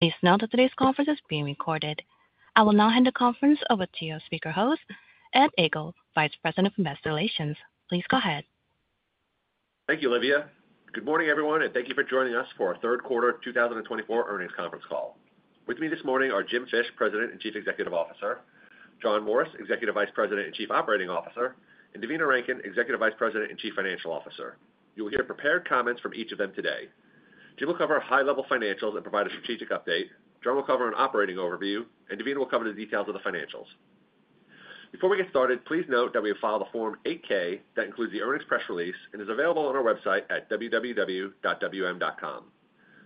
Please note that today's conference is being recorded. I will now hand the conference over to your speaker host, Ed Egl, Vice President of Investor Relations. Please go ahead. Thank you, Olivia. Good morning, everyone, and thank you for joining us for our third quarter 2024 earnings conference call. With me this morning are Jim Fish, President and Chief Executive Officer, John Morris, Executive Vice President and Chief Operating Officer, and Devina Rankin, Executive Vice President and Chief Financial Officer. You will hear prepared comments from each of them today. Jim will cover high-level financials and provide a strategic update. John will cover an operating overview, and Devina will cover the details of the financials. Before we get started, please note that we have filed a Form 8-K that includes the earnings press release and is available on our website at www.wm.com.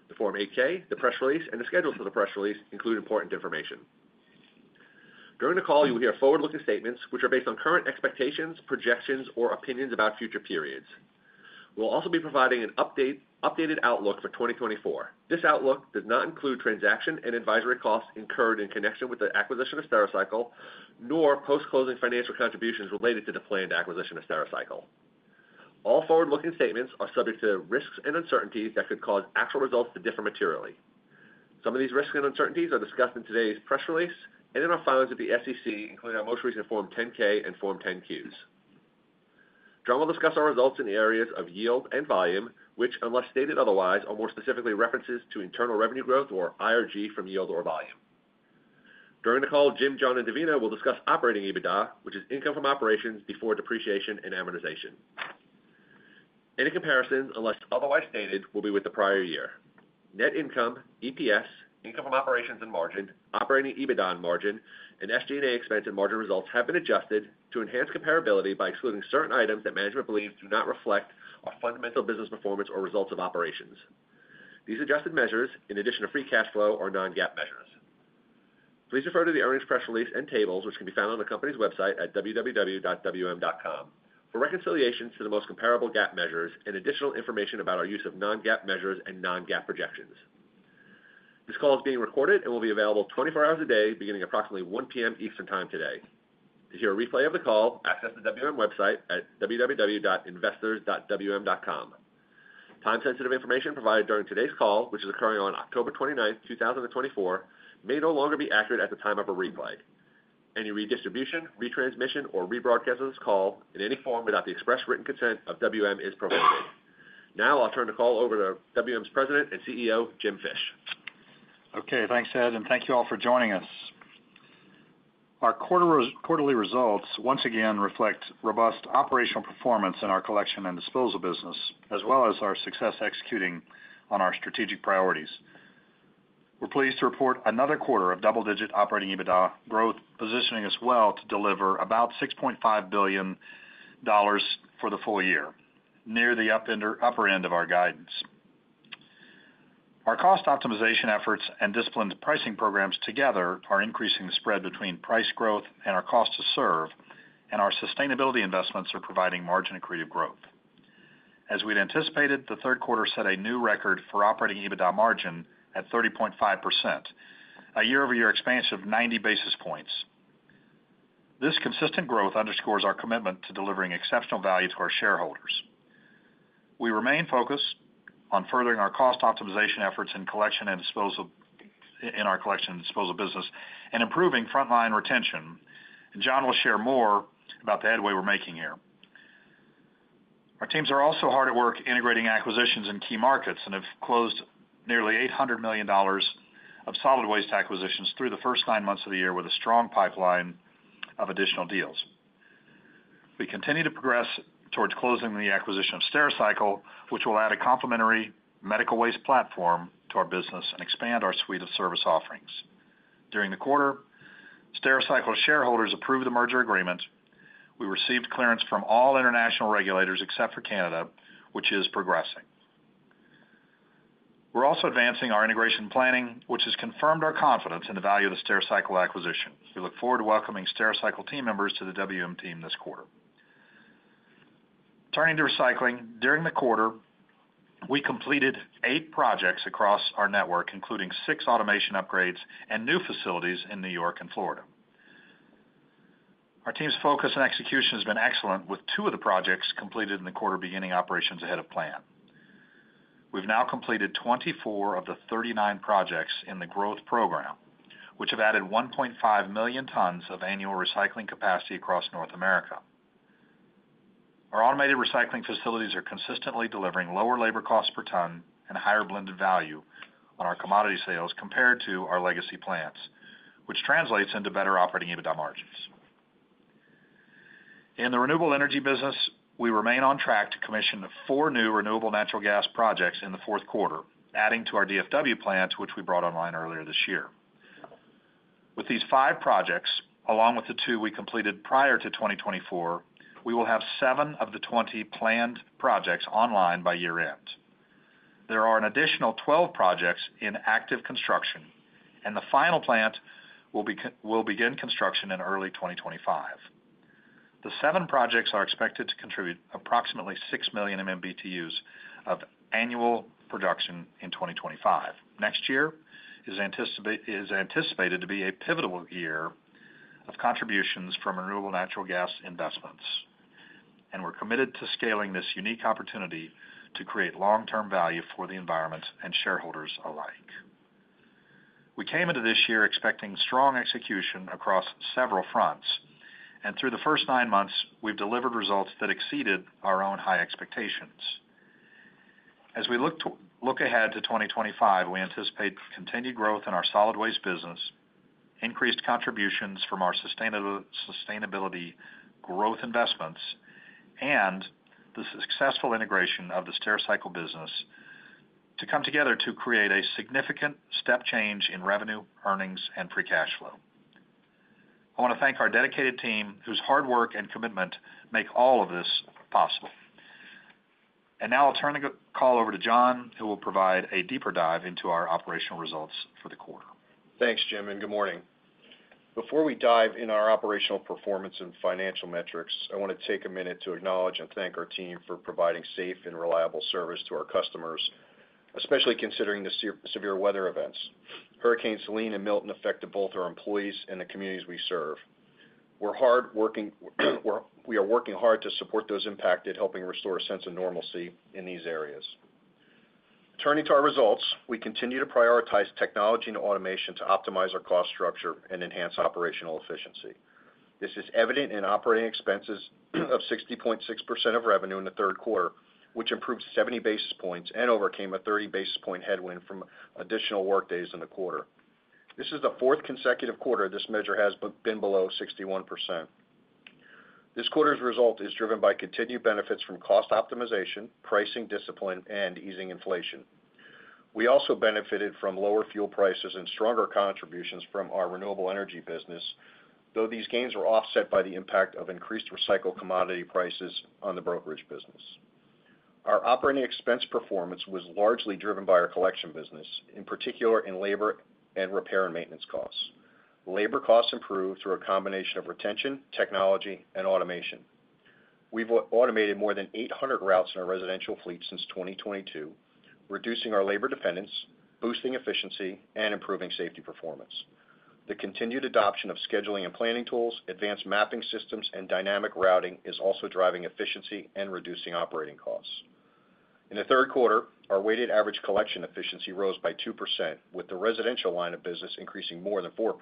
The Form 8-K, the press release, and the schedules of the press release include important information. During the call, you will hear forward-looking statements, which are based on current expectations, projections, or opinions about future periods. We'll also be providing an updated outlook for 2024. This outlook does not include transaction and advisory costs incurred in connection with the acquisition of Stericycle, nor post-closing financial contributions related to the planned acquisition of Stericycle. All forward-looking statements are subject to risks and uncertainties that could cause actual results to differ materially. Some of these risks and uncertainties are discussed in today's press release and in our filings with the SEC, including our most recent Form 10-K and Form 10-Qs. John will discuss our results in the areas of yield and volume, which, unless stated otherwise, are more specifically references to internal revenue growth or IRG from yield or volume. During the call, Jim, John, and Devina will discuss operating EBITDA, which is income from operations before depreciation and amortization. Any comparisons, unless otherwise stated, will be with the prior year. Net income, EPS, income from operations and margin, operating EBITDA and margin, and SG&A expense and margin results have been adjusted to enhance comparability by excluding certain items that management believes do not reflect our fundamental business performance or results of operations. These adjusted measures, in addition to free cash flow, are non-GAAP measures. Please refer to the earnings press release and tables, which can be found on the company's website at www.wm.com, for reconciliations to the most comparable GAAP measures and additional information about our use of non-GAAP measures and non-GAAP projections. This call is being recorded and will be available 24 hours a day, beginning approximately 1:00 P.M. Eastern Time today. To hear a replay of the call, access the WM website at www.investors.wm.com. Time-sensitive information provided during today's call, which is occurring on October 29, 2024, may no longer be accurate at the time of a replay. Any redistribution, retransmission, or rebroadcast of this call in any form without the express written consent of WM is prohibited. Now I'll turn the call over to WM's President and CEO, Jim Fish. Okay, thanks, Ed, and thank you all for joining us. Our quarterly results once again reflect robust operational performance in our collection and disposal business, as well as our success executing on our strategic priorities. We're pleased to report another quarter of double-digit operating EBITDA growth, positioning us well to deliver about $6.5 billion for the full year, near the upper end of our guidance. Our cost optimization efforts and disciplined pricing programs together are increasing the spread between price growth and our cost to serve, and our sustainability investments are providing margin accretive growth. As we'd anticipated, the third quarter set a new record for operating EBITDA margin at 30.5%, a year-over-year expansion of 90 basis points. This consistent growth underscores our commitment to delivering exceptional value to our shareholders. We remain focused on furthering our cost optimization efforts in our collection and disposal business and improving frontline retention. John will share more about the headway we're making here. Our teams are also hard at work integrating acquisitions in key markets and have closed nearly $800 million of solid waste acquisitions through the first nine months of the year with a strong pipeline of additional deals. We continue to progress towards closing the acquisition of Stericycle, which will add a complementary medical waste platform to our business and expand our suite of service offerings. During the quarter, Stericycle shareholders approved the merger agreement. We received clearance from all international regulators except for Canada, which is progressing. We're also advancing our integration planning, which has confirmed our confidence in the value of the Stericycle acquisition. We look forward to welcoming Stericycle team members to the WM team this quarter. Turning to recycling, during the quarter, we completed eight projects across our network, including six automation upgrades and new facilities in New York and Florida. Our team's focus and execution has been excellent, with two of the projects completed in the quarter beginning operations ahead of plan. We've now completed 24 of the 39 projects in the growth program, which have added 1.5 million tons of annual recycling capacity across North America. Our automated recycling facilities are consistently delivering lower labor costs per ton and higher blended value on our commodity sales compared to our legacy plants, which translates into better operating EBITDA margins. In the renewable energy business, we remain on track to commission four new renewable natural gas projects in the fourth quarter, adding to our DFW plant, which we brought online earlier this year. With these five projects, along with the two we completed prior to 2024, we will have seven of the 20 planned projects online by year-end. There are an additional 12 projects in active construction, and the final plant will begin construction in early 2025. The seven projects are expected to contribute approximately 6 million MMBtu of annual production in 2025. Next year is anticipated to be a pivotal year of contributions from renewable natural gas investments, and we're committed to scaling this unique opportunity to create long-term value for the environment and shareholders alike. We came into this year expecting strong execution across several fronts, and through the first nine months, we've delivered results that exceeded our own high expectations. As we look ahead to 2025, we anticipate continued growth in our solid waste business, increased contributions from our sustainability growth investments, and the successful integration of the Stericycle business to come together to create a significant step change in revenue, earnings, and free cash flow. I want to thank our dedicated team, whose hard work and commitment make all of this possible, and now I'll turn the call over to John, who will provide a deeper dive into our operational results for the quarter. Thanks, Jim, and good morning. Before we dive in our operational performance and financial metrics, I want to take a minute to acknowledge and thank our team for providing safe and reliable service to our customers, especially considering the severe weather events. Hurricanes Helene and Milton affected both our employees and the communities we serve. We are working hard to support those impacted, helping restore a sense of normalcy in these areas. Turning to our results, we continue to prioritize technology and automation to optimize our cost structure and enhance operational efficiency. This is evident in operating expenses of 60.6% of revenue in the third quarter, which improved 70 basis points and overcame a 30 basis point headwind from additional workdays in the quarter. This is the fourth consecutive quarter this measure has been below 61%. This quarter's result is driven by continued benefits from cost optimization, pricing discipline, and easing inflation. We also benefited from lower fuel prices and stronger contributions from our renewable energy business, though these gains were offset by the impact of increased recycled commodity prices on the brokerage business. Our operating expense performance was largely driven by our collection business, in particular in labor and repair and maintenance costs. Labor costs improved through a combination of retention, technology, and automation. We've automated more than 800 routes in our residential fleet since 2022, reducing our labor dependence, boosting efficiency, and improving safety performance. The continued adoption of scheduling and planning tools, advanced mapping systems, and dynamic routing is also driving efficiency and reducing operating costs. In the third quarter, our weighted average collection efficiency rose by 2%, with the residential line of business increasing more than 4%.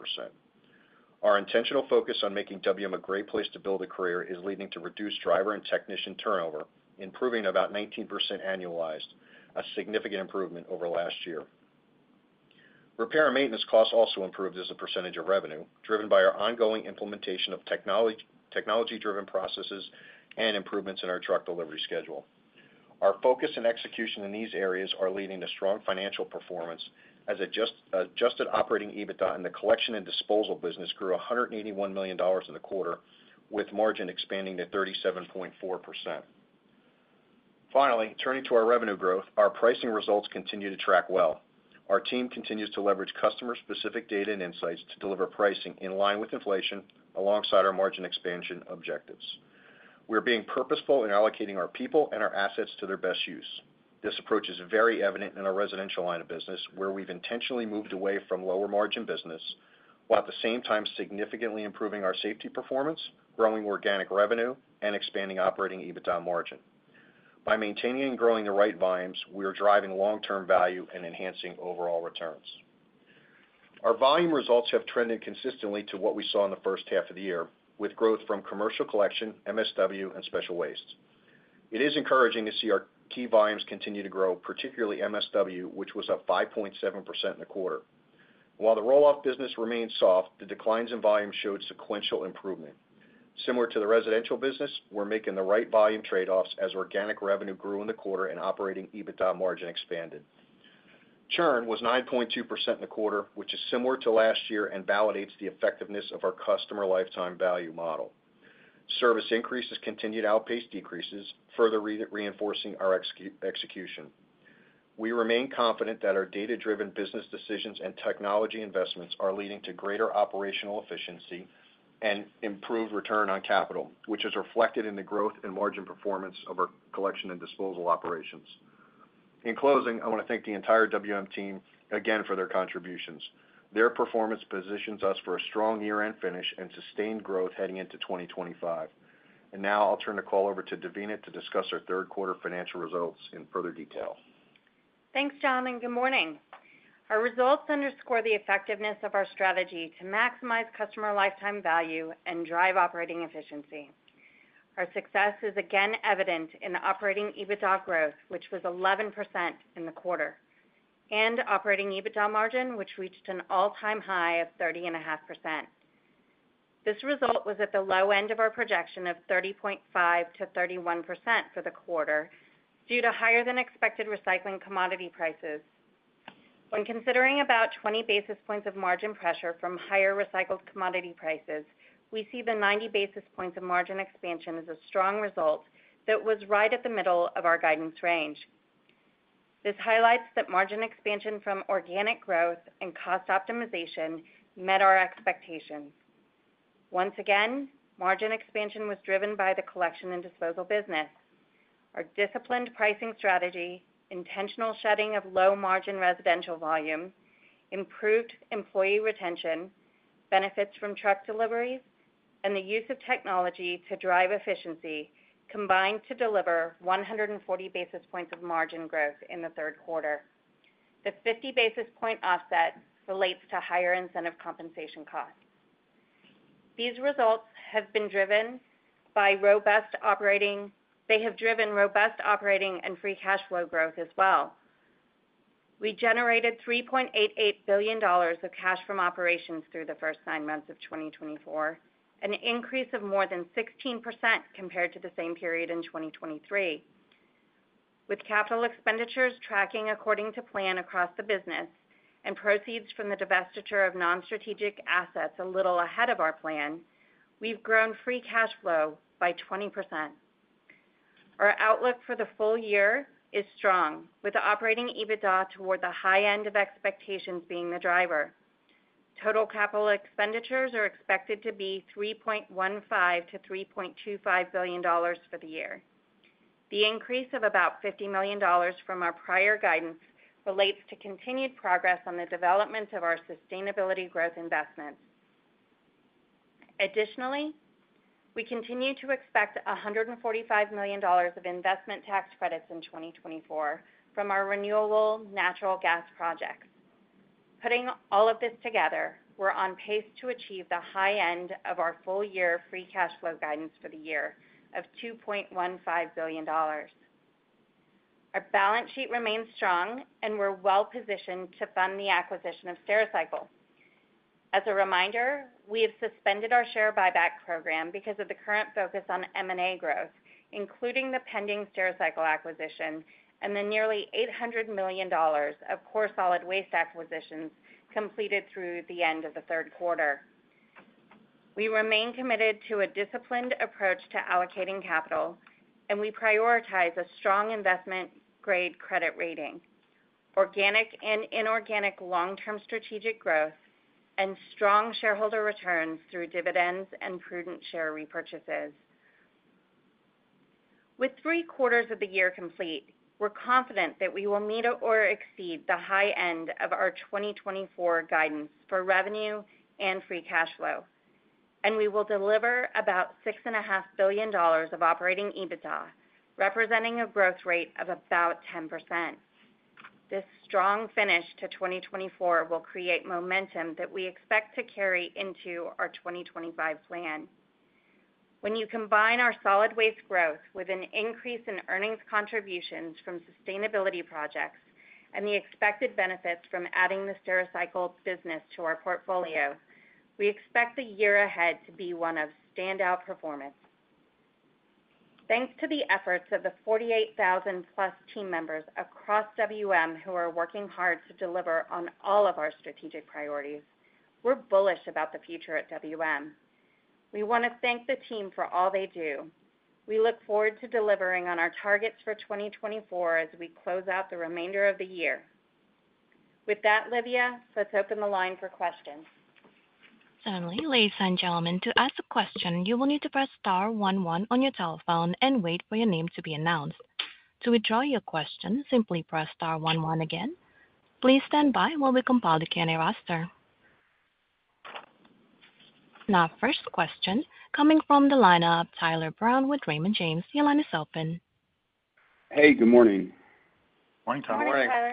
Our intentional focus on making WM a great place to build a career is leading to reduced driver and technician turnover, improving about 19% annualized, a significant improvement over last year. Repair and maintenance costs also improved as a percentage of revenue, driven by our ongoing implementation of technology-driven processes and improvements in our truck delivery schedule. Our focus and execution in these areas are leading to strong financial performance as adjusted operating EBITDA in the collection and disposal business grew $181 million in the quarter, with margin expanding to 37.4%. Finally, turning to our revenue growth, our pricing results continue to track well. Our team continues to leverage customer-specific data and insights to deliver pricing in line with inflation alongside our margin expansion objectives. We are being purposeful in allocating our people and our assets to their best use. This approach is very evident in our residential line of business, where we've intentionally moved away from lower margin business while at the same time significantly improving our safety performance, growing organic revenue, and expanding operating EBITDA margin. By maintaining and growing the right volumes, we are driving long-term value and enhancing overall returns. Our volume results have trended consistently to what we saw in the first half of the year, with growth from commercial collection, MSW, and special waste. It is encouraging to see our key volumes continue to grow, particularly MSW, which was up 5.7% in the quarter. While the roll-off business remained soft, the declines in volume showed sequential improvement. Similar to the residential business, we're making the right volume trade-offs as organic revenue grew in the quarter and operating EBITDA margin expanded. Churn was 9.2% in the quarter, which is similar to last year and validates the effectiveness of our customer lifetime value model. Service increases continued outpaced decreases, further reinforcing our execution. We remain confident that our data-driven business decisions and technology investments are leading to greater operational efficiency and improved return on capital, which is reflected in the growth and margin performance of our collection and disposal operations. In closing, I want to thank the entire WM team again for their contributions. Their performance positions us for a strong year-end finish and sustained growth heading into 2025. And now I'll turn the call over to Devina to discuss our third quarter financial results in further detail. Thanks, John, and good morning. Our results underscore the effectiveness of our strategy to maximize customer lifetime value and drive operating efficiency. Our success is again evident in Operating EBITDA growth, which was 11% in the quarter, and Operating EBITDA margin, which reached an all-time high of 30.5%. This result was at the low end of our projection of 30.5%-31% for the quarter due to higher-than-expected recycling commodity prices. When considering about 20 basis points of margin pressure from higher recycled commodity prices, we see the 90 basis points of margin expansion as a strong result that was right at the middle of our guidance range. This highlights that margin expansion from organic growth and cost optimization met our expectations. Once again, margin expansion was driven by the collection and disposal business. Our disciplined pricing strategy, intentional shedding of low-margin residential volume, improved employee retention, benefits from truck deliveries, and the use of technology to drive efficiency combined to deliver 140 basis points of margin growth in the third quarter. The 50 basis point offset relates to higher incentive compensation costs. These results have been driven by robust operating. They have driven robust operating and free cash flow growth as well. We generated $3.88 billion of cash from operations through the first nine months of 2024, an increase of more than 16% compared to the same period in 2023. With capital expenditures tracking according to plan across the business and proceeds from the divestiture of non-strategic assets a little ahead of our plan, we've grown free cash flow by 20%. Our outlook for the full year is strong, with operating EBITDA toward the high end of expectations being the driver. Total capital expenditures are expected to be $3.15 billion-$3.25 billion for the year. The increase of about $50 million from our prior guidance relates to continued progress on the development of our sustainability growth investments. Additionally, we continue to expect $145 million of investment tax credits in 2024 from our renewable natural gas projects. Putting all of this together, we're on pace to achieve the high end of our full-year free cash flow guidance for the year of $2.15 billion. Our balance sheet remains strong, and we're well-positioned to fund the acquisition of Stericycle. As a reminder, we have suspended our share buyback program because of the current focus on M&A growth, including the pending Stericycle acquisition and the nearly $800 million of core solid waste acquisitions completed through the end of the third quarter. We remain committed to a disciplined approach to allocating capital, and we prioritize a strong investment-grade credit rating, organic and inorganic long-term strategic growth, and strong shareholder returns through dividends and prudent share repurchases. With three quarters of the year complete, we're confident that we will meet or exceed the high end of our 2024 guidance for revenue and free cash flow, and we will deliver about $6.5 billion of operating EBITDA, representing a growth rate of about 10%. This strong finish to 2024 will create momentum that we expect to carry into our 2025 plan. When you combine our solid waste growth with an increase in earnings contributions from sustainability projects and the expected benefits from adding the Stericycle business to our portfolio, we expect the year ahead to be one of standout performance. Thanks to the efforts of the 48,000-plus team members across WM who are working hard to deliver on all of our strategic priorities, we're bullish about the future at WM. We want to thank the team for all they do. We look forward to delivering on our targets for 2024 as we close out the remainder of the year. With that, Olivia, let's open the line for questions. Finally, ladies and gentlemen, to ask a question, you will need to press Star one one on your telephone and wait for your name to be announced. To withdraw your question, simply press Star one one again. Please stand by while we compile the Q&A roster. Now, first question coming from the lineup, Tyler Brown with Raymond James. Your line is open. Hey, good morning. Morning, Tyler. How are you? Morning, Tyler.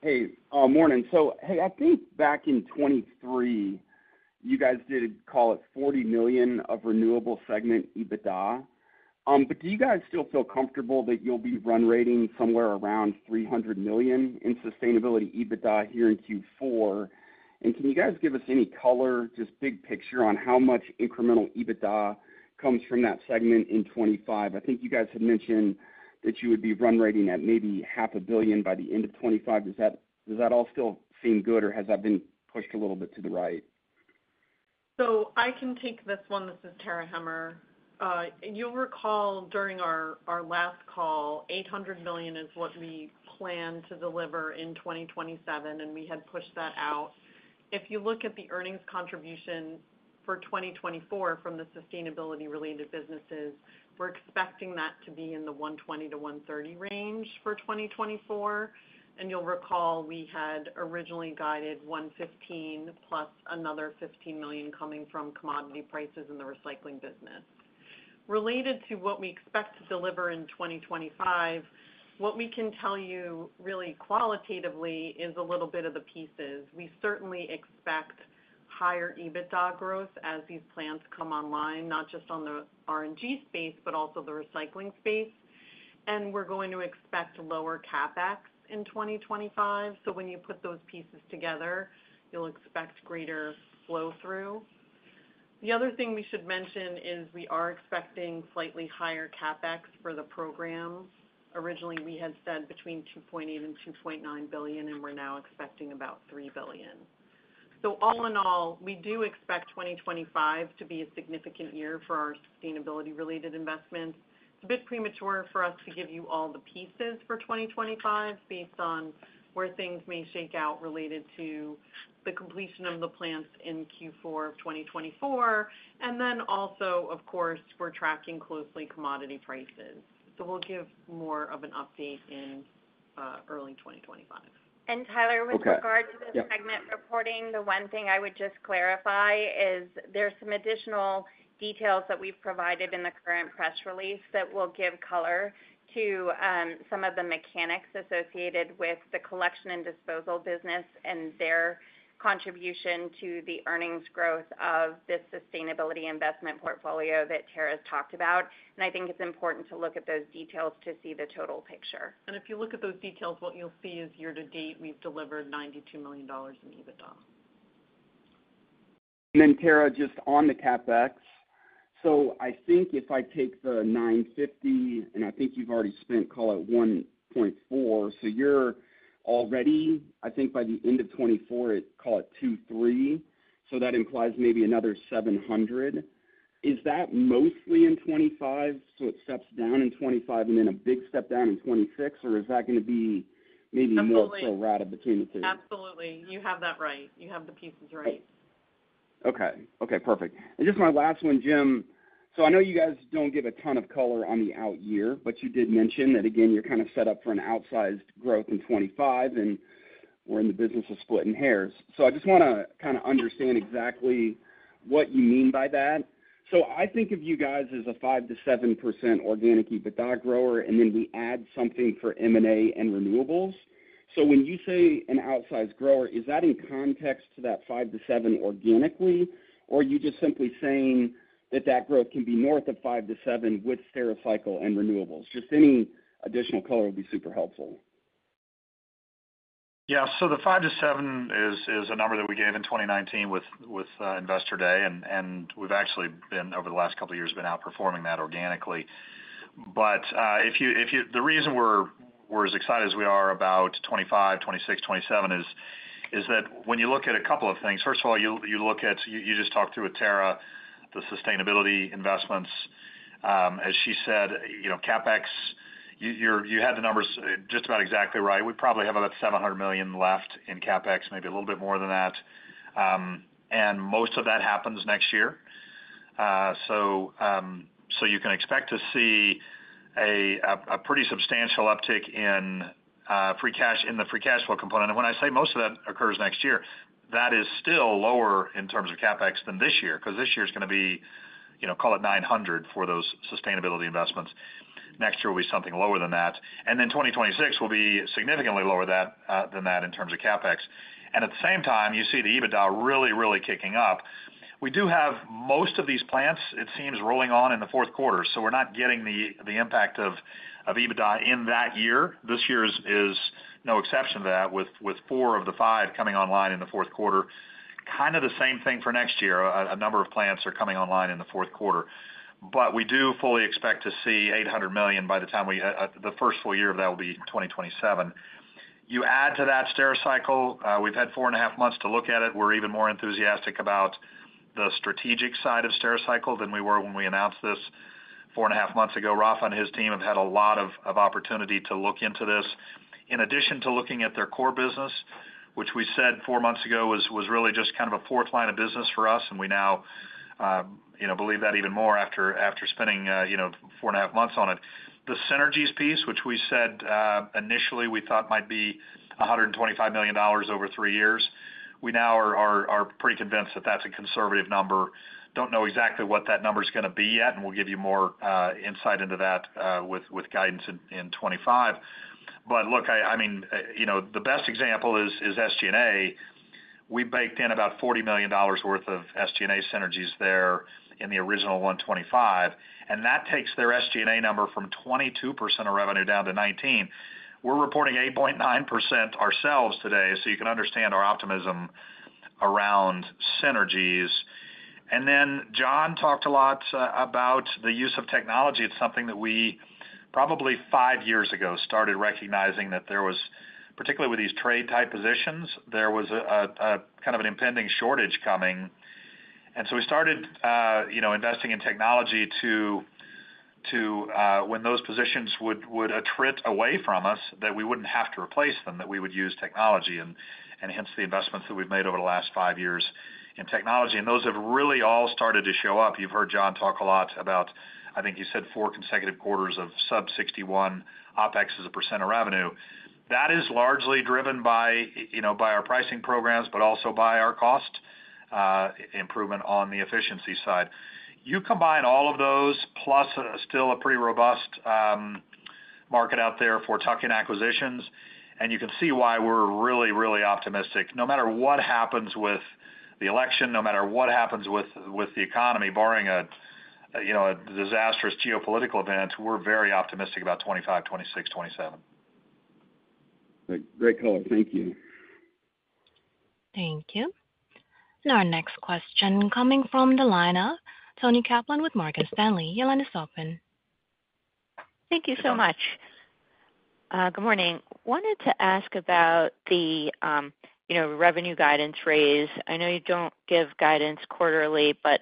Hey, morning. So hey, I think back in 2023, you guys did call it $40 million of renewable segment EBITDA. But do you guys still feel comfortable that you'll be run rating somewhere around $300 million in sustainability EBITDA here in Q4? And can you guys give us any color, just big picture on how much incremental EBITDA comes from that segment in 2025? I think you guys had mentioned that you would be run rating at maybe $500 million by the end of 2025. Does that all still seem good, or has that been pushed a little bit to the right? So I can take this one. This is Tara Hemmer. You'll recall during our last call, $800 million is what we planned to deliver in 2027, and we had pushed that out. If you look at the earnings contribution for 2024 from the sustainability-related businesses, we're expecting that to be in the $120 million-$130 million range for 2024. And you'll recall we had originally guided $115 million plus another $15 million coming from commodity prices in the recycling business. Related to what we expect to deliver in 2025, what we can tell you really qualitatively is a little bit of the pieces. We certainly expect higher EBITDA growth as these plants come online, not just on the RNG space, but also the recycling space. And we're going to expect lower CapEx in 2025. So when you put those pieces together, you'll expect greater flow-through. The other thing we should mention is we are expecting slightly higher CapEx for the program. Originally, we had said between $2.8 billion and $2.9 billion, and we're now expecting about $3 billion. So all in all, we do expect 2025 to be a significant year for our sustainability-related investments. It's a bit premature for us to give you all the pieces for 2025 based on where things may shake out related to the completion of the plants in Q4 of 2024. And then also, of course, we're tracking closely commodity prices. So we'll give more of an update in early 2025. Tyler, with regard to the segment reporting, the one thing I would just clarify is there's some additional details that we've provided in the current press release that will give color to some of the mechanics associated with the collection and disposal business and their contribution to the earnings growth of this sustainability investment portfolio that Tara has talked about. I think it's important to look at those details to see the total picture. If you look at those details, what you'll see is year-to-date, we've delivered $92 million in EBITDA. Then Tara, just on the CapEx, so I think if I take the $950, and I think you've already spent, call it $1.4. So you're already, I think by the end of 2024, call it $2.3. So that implies maybe another $700. Is that mostly in 2025? So it steps down in 2025 and then a big step down in 2026, or is that going to be maybe more so ratcheted between the two? Absolutely. You have that right. You have the pieces right. Okay. Okay. Perfect. And just my last one, Jim. So I know you guys don't give a ton of color on the out year, but you did mention that, again, you're kind of set up for an outsized growth in 2025, and we're in the business of splitting hairs. So I just want to kind of understand exactly what you mean by that. So I think of you guys as a 5%-7% organic EBITDA grower, and then we add something for M&A and renewables. So when you say an outsized grower, is that in context to that 5-7 organically, or are you just simply saying that that growth can be north of 5-7 with Stericycle and renewables? Just any additional color would be super helpful. Yeah. So the 5 to 7 is a number that we gave in 2019 with Investor Day, and we've actually been over the last couple of years outperforming that organically. But the reason we're as excited as we are about 2025, 2026, 2027 is that when you look at a couple of things, first of all, you look at, you just talked to with Tara, the sustainability investments. As she said, CapEx, you had the numbers just about exactly right. We probably have about $700 million left in CapEx, maybe a little bit more than that. And most of that happens next year. So you can expect to see a pretty substantial uptick in the free cash flow component. And when I say most of that occurs next year, that is still lower in terms of CapEx than this year because this year is going to be, call it $900 for those sustainability investments. Next year will be something lower than that. And then 2026 will be significantly lower than that in terms of CapEx. And at the same time, you see the EBITDA really, really kicking up. We do have most of these plants, it seems, rolling on in the fourth quarter. So we're not getting the impact of EBITDA in that year. This year is no exception to that, with four of the five coming online in the fourth quarter. Kind of the same thing for next year. A number of plants are coming online in the fourth quarter. But we do fully expect to see 800 million by the time we, the first full year of that will be 2027. You add to that Stericycle. We've had four and a half months to look at it. We're even more enthusiastic about the strategic side of Stericycle than we were when we announced this four and a half months ago. Raf and his team have had a lot of opportunity to look into this. In addition to looking at their core business, which we said four months ago was really just kind of a fourth line of business for us, and we now believe that even more after spending four and a half months on it. The synergies piece, which we said initially we thought might be $125 million over three years, we now are pretty convinced that that's a conservative number. Don't know exactly what that number is going to be yet, and we'll give you more insight into that with guidance in 2025. But look, I mean, the best example is SG&A. We baked in about $40 million worth of SG&A synergies there in the original 125. And that takes their SG&A number from 22% of revenue down to 19%. We're reporting 8.9% ourselves today. So you can understand our optimism around synergies. And then John talked a lot about the use of technology. It's something that we probably five years ago started recognizing that there was, particularly with these trade-type positions, there was a kind of an impending shortage coming. And so we started investing in technology to, when those positions would attrit away from us, that we wouldn't have to replace them, that we would use technology. Hence the investments that we've made over the last five years in technology. Those have really all started to show up. You've heard John talk a lot about, I think he said four consecutive quarters of sub-61% OpEx as a % of revenue. That is largely driven by our pricing programs, but also by our cost improvement on the efficiency side. You combine all of those, plus still a pretty robust market out there for tuck-in acquisitions, and you can see why we're really, really optimistic. No matter what happens with the election, no matter what happens with the economy, barring a disastrous geopolitical event, we're very optimistic about 2025, 2026, 2027. Great color. Thank you. Thank you. And our next question coming from the line, Toni Kaplan with Morgan Stanley. Your line is open. Thank you so much. Good morning. Wanted to ask about the revenue guidance raise. I know you don't give guidance quarterly, but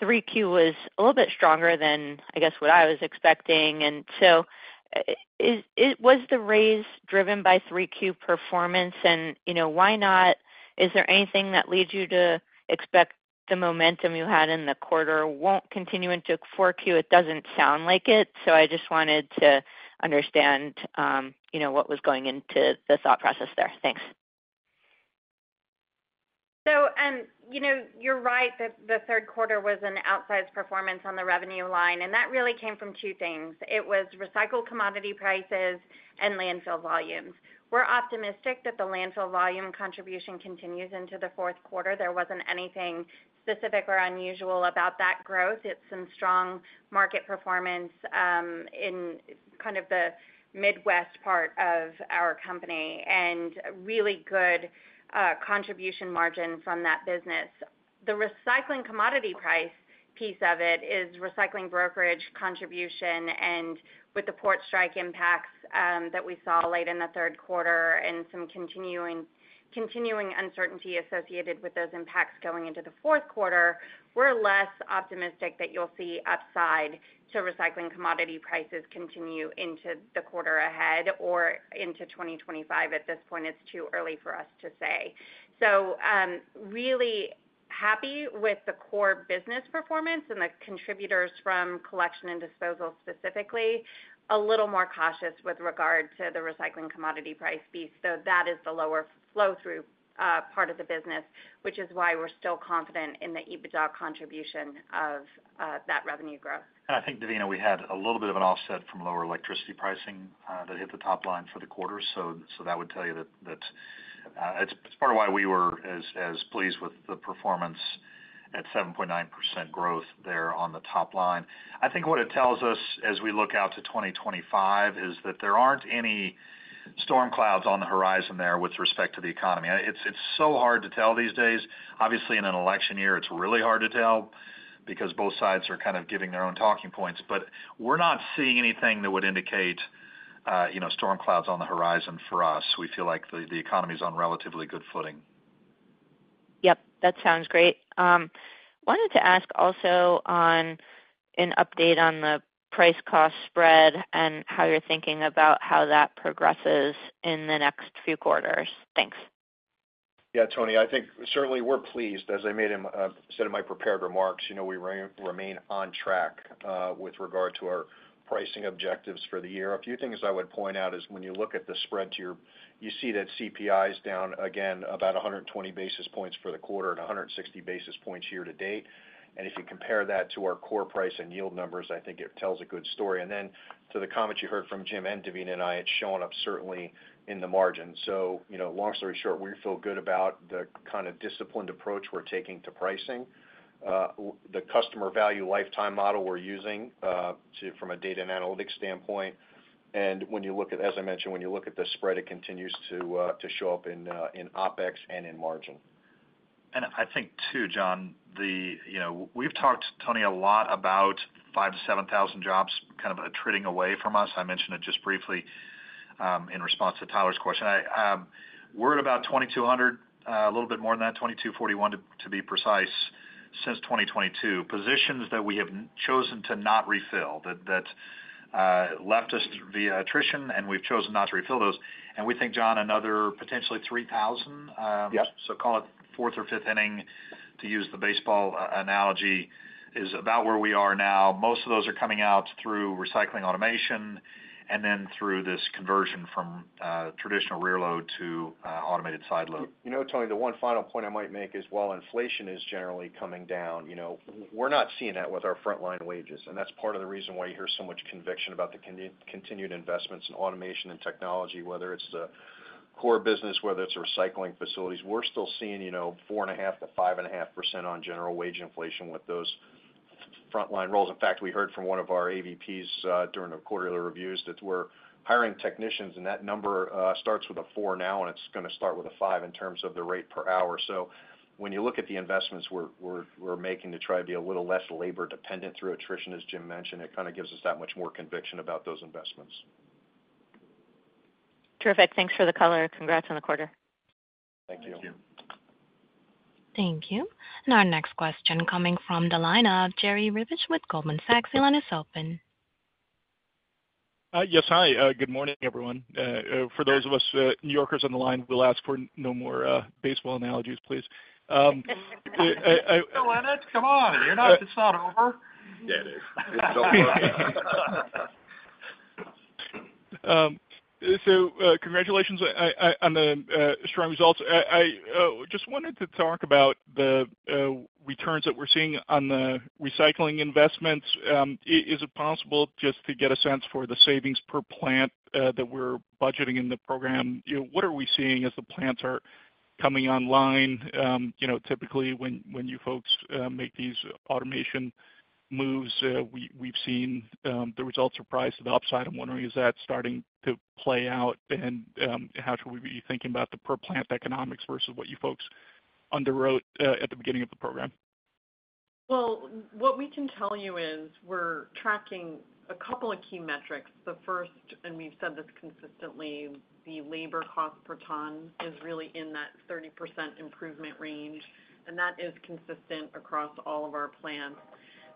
3Q was a little bit stronger than, I guess, what I was expecting. And so was the raise driven by 3Q performance? And why not? Is there anything that leads you to expect the momentum you had in the quarter won't continue into 4Q? It doesn't sound like it. So I just wanted to understand what was going into the thought process there. Thanks. You're right that the third quarter was an outsized performance on the revenue line. And that really came from two things. It was recycled commodity prices and landfill volumes. We're optimistic that the landfill volume contribution continues into the fourth quarter. There wasn't anything specific or unusual about that growth. It's some strong market performance in kind of the Midwest part of our company and really good contribution margin from that business. The recycling commodity price piece of it is recycling brokerage contribution and with the port strike impacts that we saw late in the third quarter and some continuing uncertainty associated with those impacts going into the fourth quarter, we're less optimistic that you'll see upside to recycling commodity prices continue into the quarter ahead or into 2025. At this point, it's too early for us to say. So really happy with the core business performance and the contributors from collection and disposal specifically, a little more cautious with regard to the recycling commodity price piece. So that is the lower flow-through part of the business, which is why we're still confident in the EBITDA contribution of that revenue growth. And I think, Devina, we had a little bit of an offset from lower electricity pricing that hit the top line for the quarter. So that would tell you that it's part of why we were as pleased with the performance at 7.9% growth there on the top line. I think what it tells us as we look out to 2025 is that there aren't any storm clouds on the horizon there with respect to the economy. It's so hard to tell these days. Obviously, in an election year, it's really hard to tell because both sides are kind of giving their own talking points. But we're not seeing anything that would indicate storm clouds on the horizon for us. We feel like the economy is on relatively good footing. Yep. That sounds great. Wanted to ask also on an update on the price-cost spread and how you're thinking about how that progresses in the next few quarters? Thanks. Yeah, Toni, I think certainly we're pleased. As I said in my prepared remarks, we remain on track with regard to our pricing objectives for the year. A few things I would point out is when you look at the spread, you see that CPI is down again about 120 basis points for the quarter and 160 basis points year to date. And if you compare that to our core price and yield numbers, I think it tells a good story. And then to the comments you heard from Jim and Devina and I, it's showing up certainly in the margin. So long story short, we feel good about the kind of disciplined approach we're taking to pricing, the customer value lifetime model we're using from a data and analytics standpoint. As I mentioned, when you look at the spread, it continues to show up in OpEx and in margin. I think too, John, we've talked, Toni, a lot about 5,000-7,000 jobs kind of attriting away from us. I mentioned it just briefly in response to Tyler's question. We're at about 2,200, a little bit more than that, 2,241 to be precise since 2022. Positions that we have chosen to not refill that left us via attrition, and we've chosen not to refill those. We think, John, another potentially 3,000. So call it fourth or fifth inning to use the baseball analogy is about where we are now. Most of those are coming out through recycling automation and then through this conversion from traditional rear load to automated side load. You know, Toni, the one final point I might make is while inflation is generally coming down, we're not seeing that with our frontline wages, and that's part of the reason why you hear so much conviction about the continued investments in automation and technology, whether it's the core business, whether it's recycling facilities. We're still seeing 4.5%-5.5% on general wage inflation with those frontline roles. In fact, we heard from one of our AVPs during the quarterly reviews that we're hiring technicians, and that number starts with a 4 now, and it's going to start with a 5 in terms of the rate per hour, so when you look at the investments we're making to try to be a little less labor-dependent through attrition, as Jim mentioned, it kind of gives us that much more conviction about those investments. Terrific. Thanks for the color. Congrats on the quarter. Thank you. Thank you. Thank you. And our next question coming from the lineup, Jerry Revich with Goldman Sachs. Your line is open. Yes, hi. Good morning, everyone. For those of us New Yorkers on the line, we'll ask for no more baseball analogies, please. Come on. It's not over. Yeah, it is. Congratulations on the strong results. I just wanted to talk about the returns that we're seeing on the recycling investments. Is it possible just to get a sense for the savings per plant that we're budgeting in the program? What are we seeing as the plants are coming online? Typically, when you folks make these automation moves, we've seen the results surprise to the upside. I'm wondering, is that starting to play out? And how should we be thinking about the per-plant economics versus what you folks underwrote at the beginning of the program? What we can tell you is we're tracking a couple of key metrics. The first, and we've said this consistently, the labor cost per ton is really in that 30% improvement range. And that is consistent across all of our plants.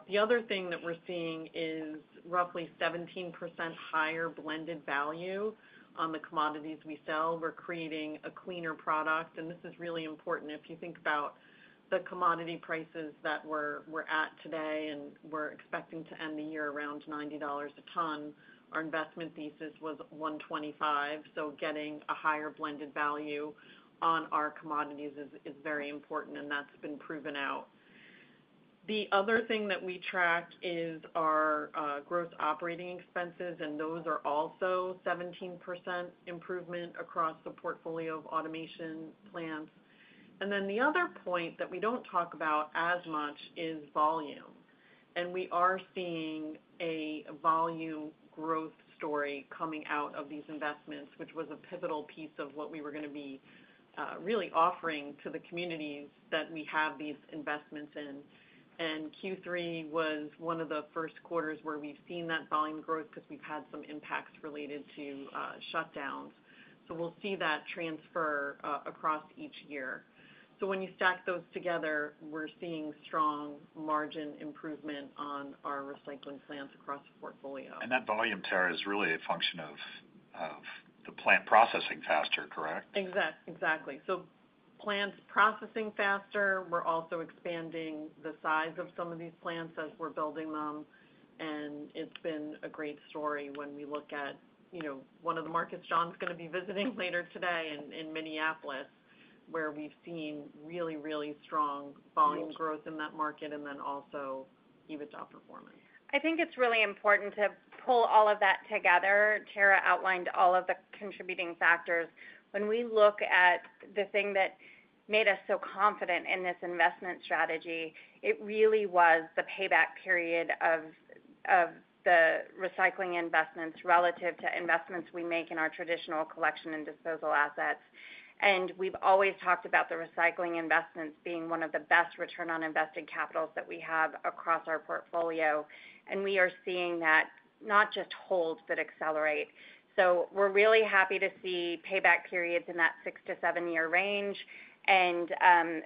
The other thing that we're seeing is roughly 17% higher blended value on the commodities we sell. We're creating a cleaner product. And this is really important. If you think about the commodity prices that we're at today and we're expecting to end the year around $90 a ton, our investment thesis was $125. So getting a higher blended value on our commodities is very important, and that's been proven out. The other thing that we track is our gross operating expenses, and those are also 17% improvement across the portfolio of automation plants. And then the other point that we don't talk about as much is volume. And we are seeing a volume growth story coming out of these investments, which was a pivotal piece of what we were going to be really offering to the communities that we have these investments in. And Q3 was one of the first quarters where we've seen that volume growth because we've had some impacts related to shutdowns. So we'll see that transfer across each year. So when you stack those together, we're seeing strong margin improvement on our recycling plants across the portfolio. That volume there is really a function of the plant processing faster, correct? Exactly. So plants processing faster. We're also expanding the size of some of these plants as we're building them, and it's been a great story when we look at one of the markets John's going to be visiting later today in Minneapolis, where we've seen really, really strong volume growth in that market and then also EBITDA performance. I think it's really important to pull all of that together. Tara outlined all of the contributing factors. When we look at the thing that made us so confident in this investment strategy, it really was the payback period of the recycling investments relative to investments we make in our traditional collection and disposal assets, and we've always talked about the recycling investments being one of the best return on invested capitals that we have across our portfolio, and we are seeing that not just hold, but accelerate. So we're really happy to see payback periods in that six-to-seven-year range, and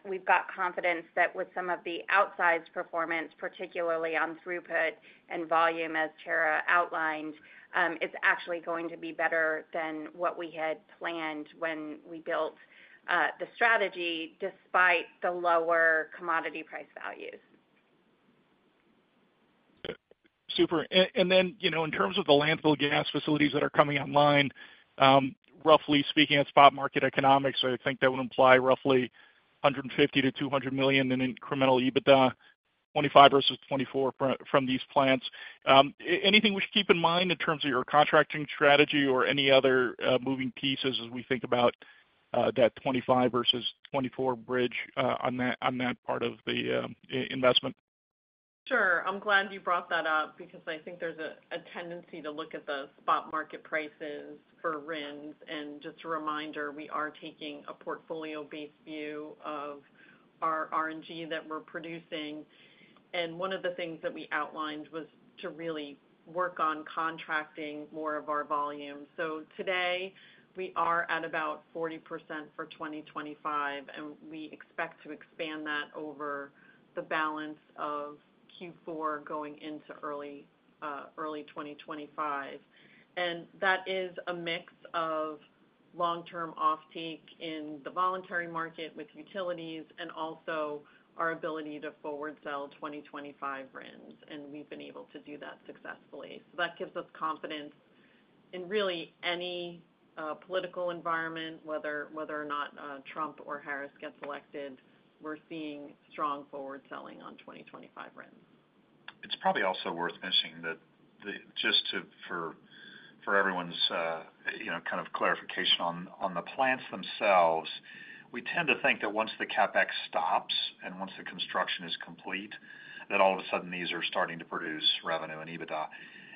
we've got confidence that with some of the outsized performance, particularly on throughput and volume, as Tara outlined, it's actually going to be better than what we had planned when we built the strategy despite the lower commodity price values. Super. And then in terms of the landfill gas facilities that are coming online, roughly speaking, it's spot market economics. I think that would imply roughly $150 million-$200 million in incremental EBITDA, 2025 versus 2024 from these plants. Anything we should keep in mind in terms of your contracting strategy or any other moving pieces as we think about that 2025 versus 2024 bridge on that part of the investment? Sure. I'm glad you brought that up because I think there's a tendency to look at the spot market prices for RINs. Just a reminder, we are taking a portfolio-based view of our RNG that we're producing. One of the things that we outlined was to really work on contracting more of our volume. Today, we are at about 40% for 2025, and we expect to expand that over the balance of Q4 going into early 2025. That is a mix of long-term off-take in the voluntary market with utilities and also our ability to forward sell 2025 RINs. We've been able to do that successfully. That gives us confidence in really any political environment, whether or not Trump or Harris gets elected. We're seeing strong forward selling on 2025 RINs. It's probably also worth mentioning that just for everyone's kind of clarification on the plants themselves, we tend to think that once the CapEx stops and once the construction is complete, that all of a sudden these are starting to produce revenue and EBITDA.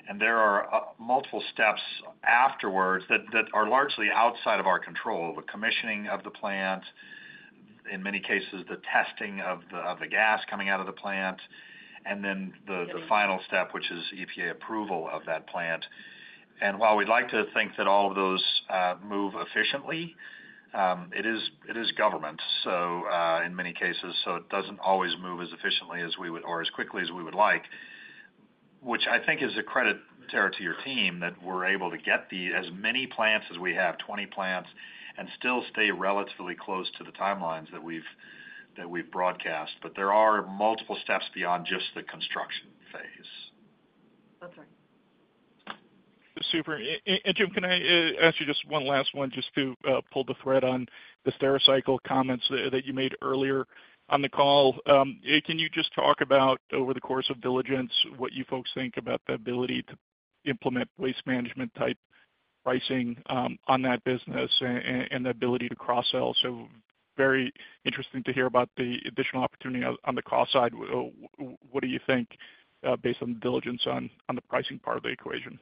And there are multiple steps afterwards that are largely outside of our control, the commissioning of the plant, in many cases, the testing of the gas coming out of the plant, and then the final step, which is EPA approval of that plant. And while we'd like to think that all of those move efficiently, it is government in many cases, so it doesn't always move as efficiently or as quickly as we would like, which I think is a credit to your team that we're able to get as many plants as we have, 20 plants, and still stay relatively close to the timelines that we've broadcast. But there are multiple steps beyond just the construction phase. That's right. Super. And Jim, can I ask you just one last one just to pull the thread on the Stericycle comments that you made earlier on the call? Can you just talk about over the course of diligence what you folks think about the ability to implement Waste Management-type pricing on that business and the ability to cross-sell? So very interesting to hear about the additional opportunity on the cost side. What do you think based on the diligence on the pricing part of the equation?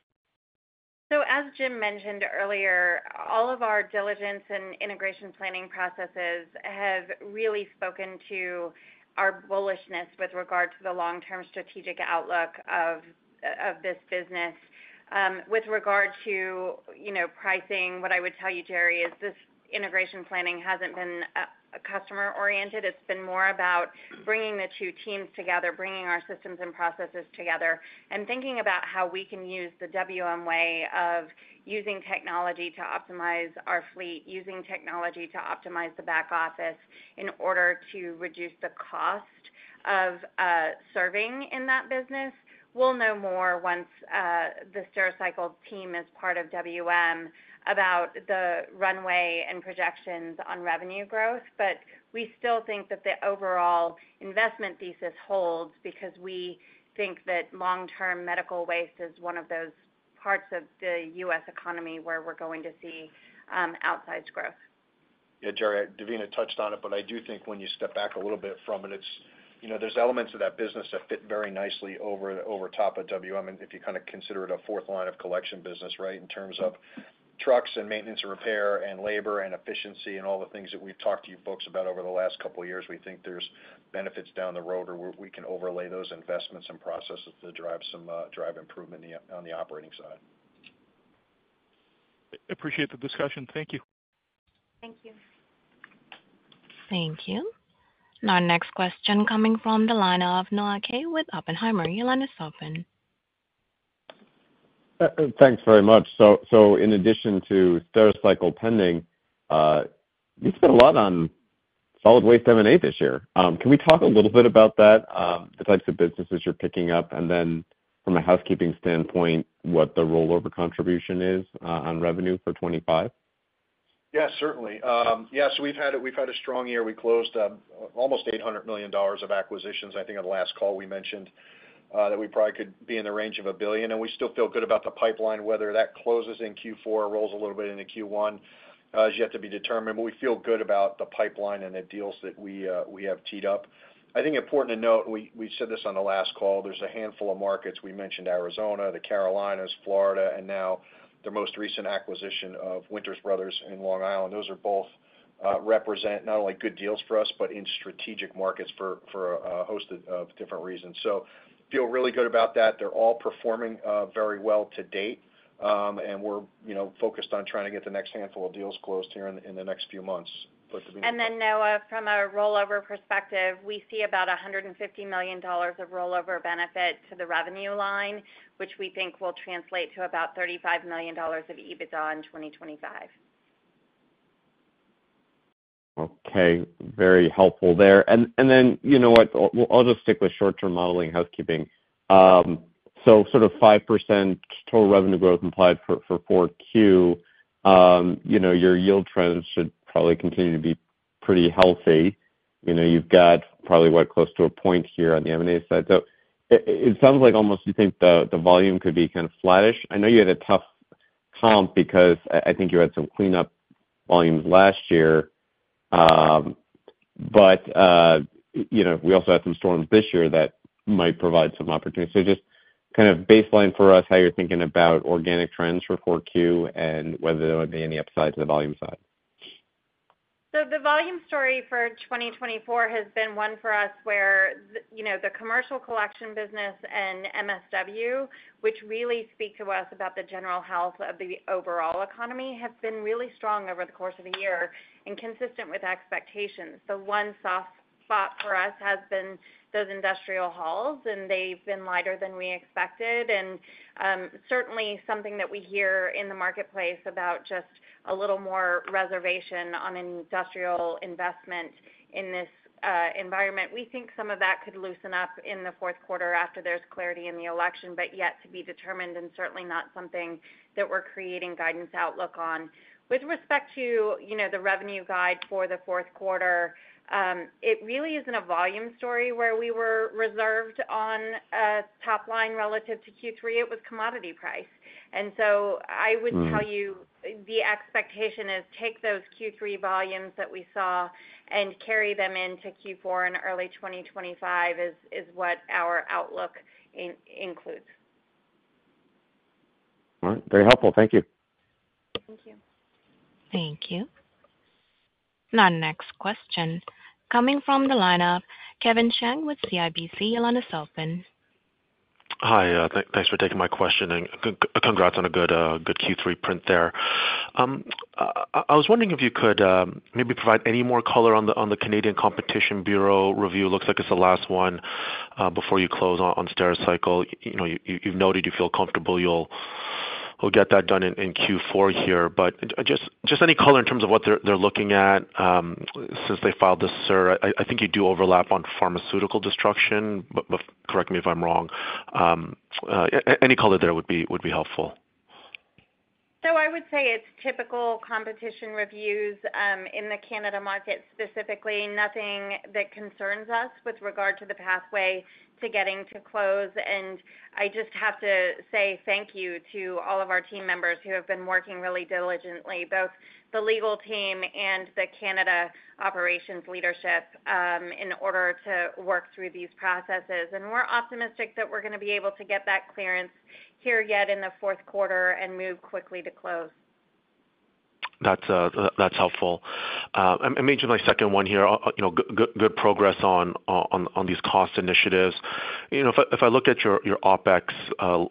So as Jim mentioned earlier, all of our diligence and integration planning processes have really spoken to our bullishness with regard to the long-term strategic outlook of this business. With regard to pricing, what I would tell you, Jerry, is this integration planning hasn't been customer-oriented. It's been more about bringing the two teams together, bringing our systems and processes together, and thinking about how we can use the WM way of using technology to optimize our fleet, using technology to optimize the back office in order to reduce the cost of serving in that business. We'll know more once the Stericycle team is part of WM about the runway and projections on revenue growth. But we still think that the overall investment thesis holds because we think that long-term medical waste is one of those parts of the U.S. economy where we're going to see outsized growth. Yeah, Jerry, Devina touched on it, but I do think when you step back a little bit from it, there's elements of that business that fit very nicely over top of WM. And if you kind of consider it a fourth line of collection business, right, in terms of trucks and maintenance and repair and labor and efficiency and all the things that we've talked to you folks about over the last couple of years, we think there's benefits down the road where we can overlay those investments and processes to drive some improvement on the operating side. Appreciate the discussion. Thank you. Thank you. Thank you. And our next question coming from the line of Noah Kaye with Oppenheimer. Your line is open. Thanks very much. So in addition to Stericycle pending, you spent a lot on solid waste M&A this year. Can we talk a little bit about that, the types of businesses you're picking up, and then from a housekeeping standpoint, what the rollover contribution is on revenue for 2025? Yeah, certainly. Yeah, so we've had a strong year. We closed almost $800 million of acquisitions. I think on the last call we mentioned that we probably could be in the range of a billion, and we still feel good about the pipeline, whether that closes in Q4 or rolls a little bit into Q1 is yet to be determined, but we feel good about the pipeline and the deals that we have teed up. I think important to note, we said this on the last call, there's a handful of markets. We mentioned Arizona, the Carolinas, Florida, and now their most recent acquisition of Winters Brothers in Long Island. Those both represent not only good deals for us, but in strategic markets for a host of different reasons, so feel really good about that. They're all performing very well to date. We're focused on trying to get the next handful of deals closed here in the next few months. And then Noah, from a rollover perspective, we see about $150 million of rollover benefit to the revenue line, which we think will translate to about $35 million of EBITDA in 2025. Okay. Very helpful there. And then you know what? I'll just stick with short-term modeling housekeeping. So sort of 5% total revenue growth implied for Q4, your yield trends should probably continue to be pretty healthy. You've got probably what, close to a point here on the M&A side. So it sounds like almost you think the volume could be kind of flattish. I know you had a tough comp because I think you had some cleanup volumes last year. But we also had some storms this year that might provide some opportunity. So just kind of baseline for us, how you're thinking about organic trends for Q4 and whether there would be any upside to the volume side. The volume story for 2024 has been one for us where the commercial collection business and MSW, which really speak to us about the general health of the overall economy, have been really strong over the course of a year and consistent with expectations. The one soft spot for us has been those industrial hauls, and they've been lighter than we expected, and certainly something that we hear in the marketplace about just a little more reservation on an industrial investment in this environment. We think some of that could loosen up in the fourth quarter after there's clarity in the election, but yet to be determined and certainly not something that we're basing guidance outlook on. With respect to the revenue guide for the fourth quarter, it really isn't a volume story where we were reserved on top line relative to Q3. It was commodity price. And so I would tell you the expectation is take those Q3 volumes that we saw and carry them into Q4 and early 2025 is what our outlook includes. All right. Very helpful. Thank you. Thank you. Thank you. Now, next question. Coming from the line of Kevin Chiang with CIBC, your line is open. Hi. Thanks for taking my question. And congrats on a good Q3 print there. I was wondering if you could maybe provide any more color on the Canadian Competition Bureau review. It looks like it's the last one before you close on Stericycle. You've noted you feel comfortable you'll get that done in Q4 here. But just any color in terms of what they're looking at since they filed this, sir? I think you do overlap on pharmaceutical destruction, but correct me if I'm wrong. Any color there would be helpful. So I would say it's typical competition reviews in the Canada market specifically, nothing that concerns us with regard to the pathway to getting to close. And I just have to say thank you to all of our team members who have been working really diligently, both the legal team and the Canada operations leadership in order to work through these processes. And we're optimistic that we're going to be able to get that clearance here yet in the fourth quarter and move quickly to close. That's helpful. And maybe my second one here, good progress on these cost initiatives. If I look at your OpEx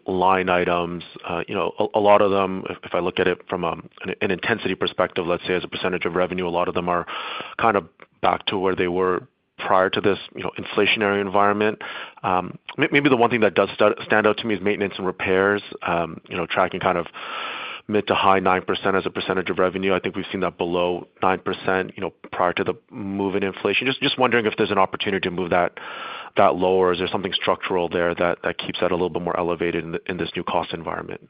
line items, a lot of them, if I look at it from an intensity perspective, let's say as a percentage of revenue, a lot of them are kind of back to where they were prior to this inflationary environment. Maybe the one thing that does stand out to me is maintenance and repairs, tracking kind of mid- to high 9% as a percentage of revenue. I think we've seen that below 9% prior to the move in inflation. Just wondering if there's an opportunity to move that lower, or is there something structural there that keeps that a little bit more elevated in this new cost environment?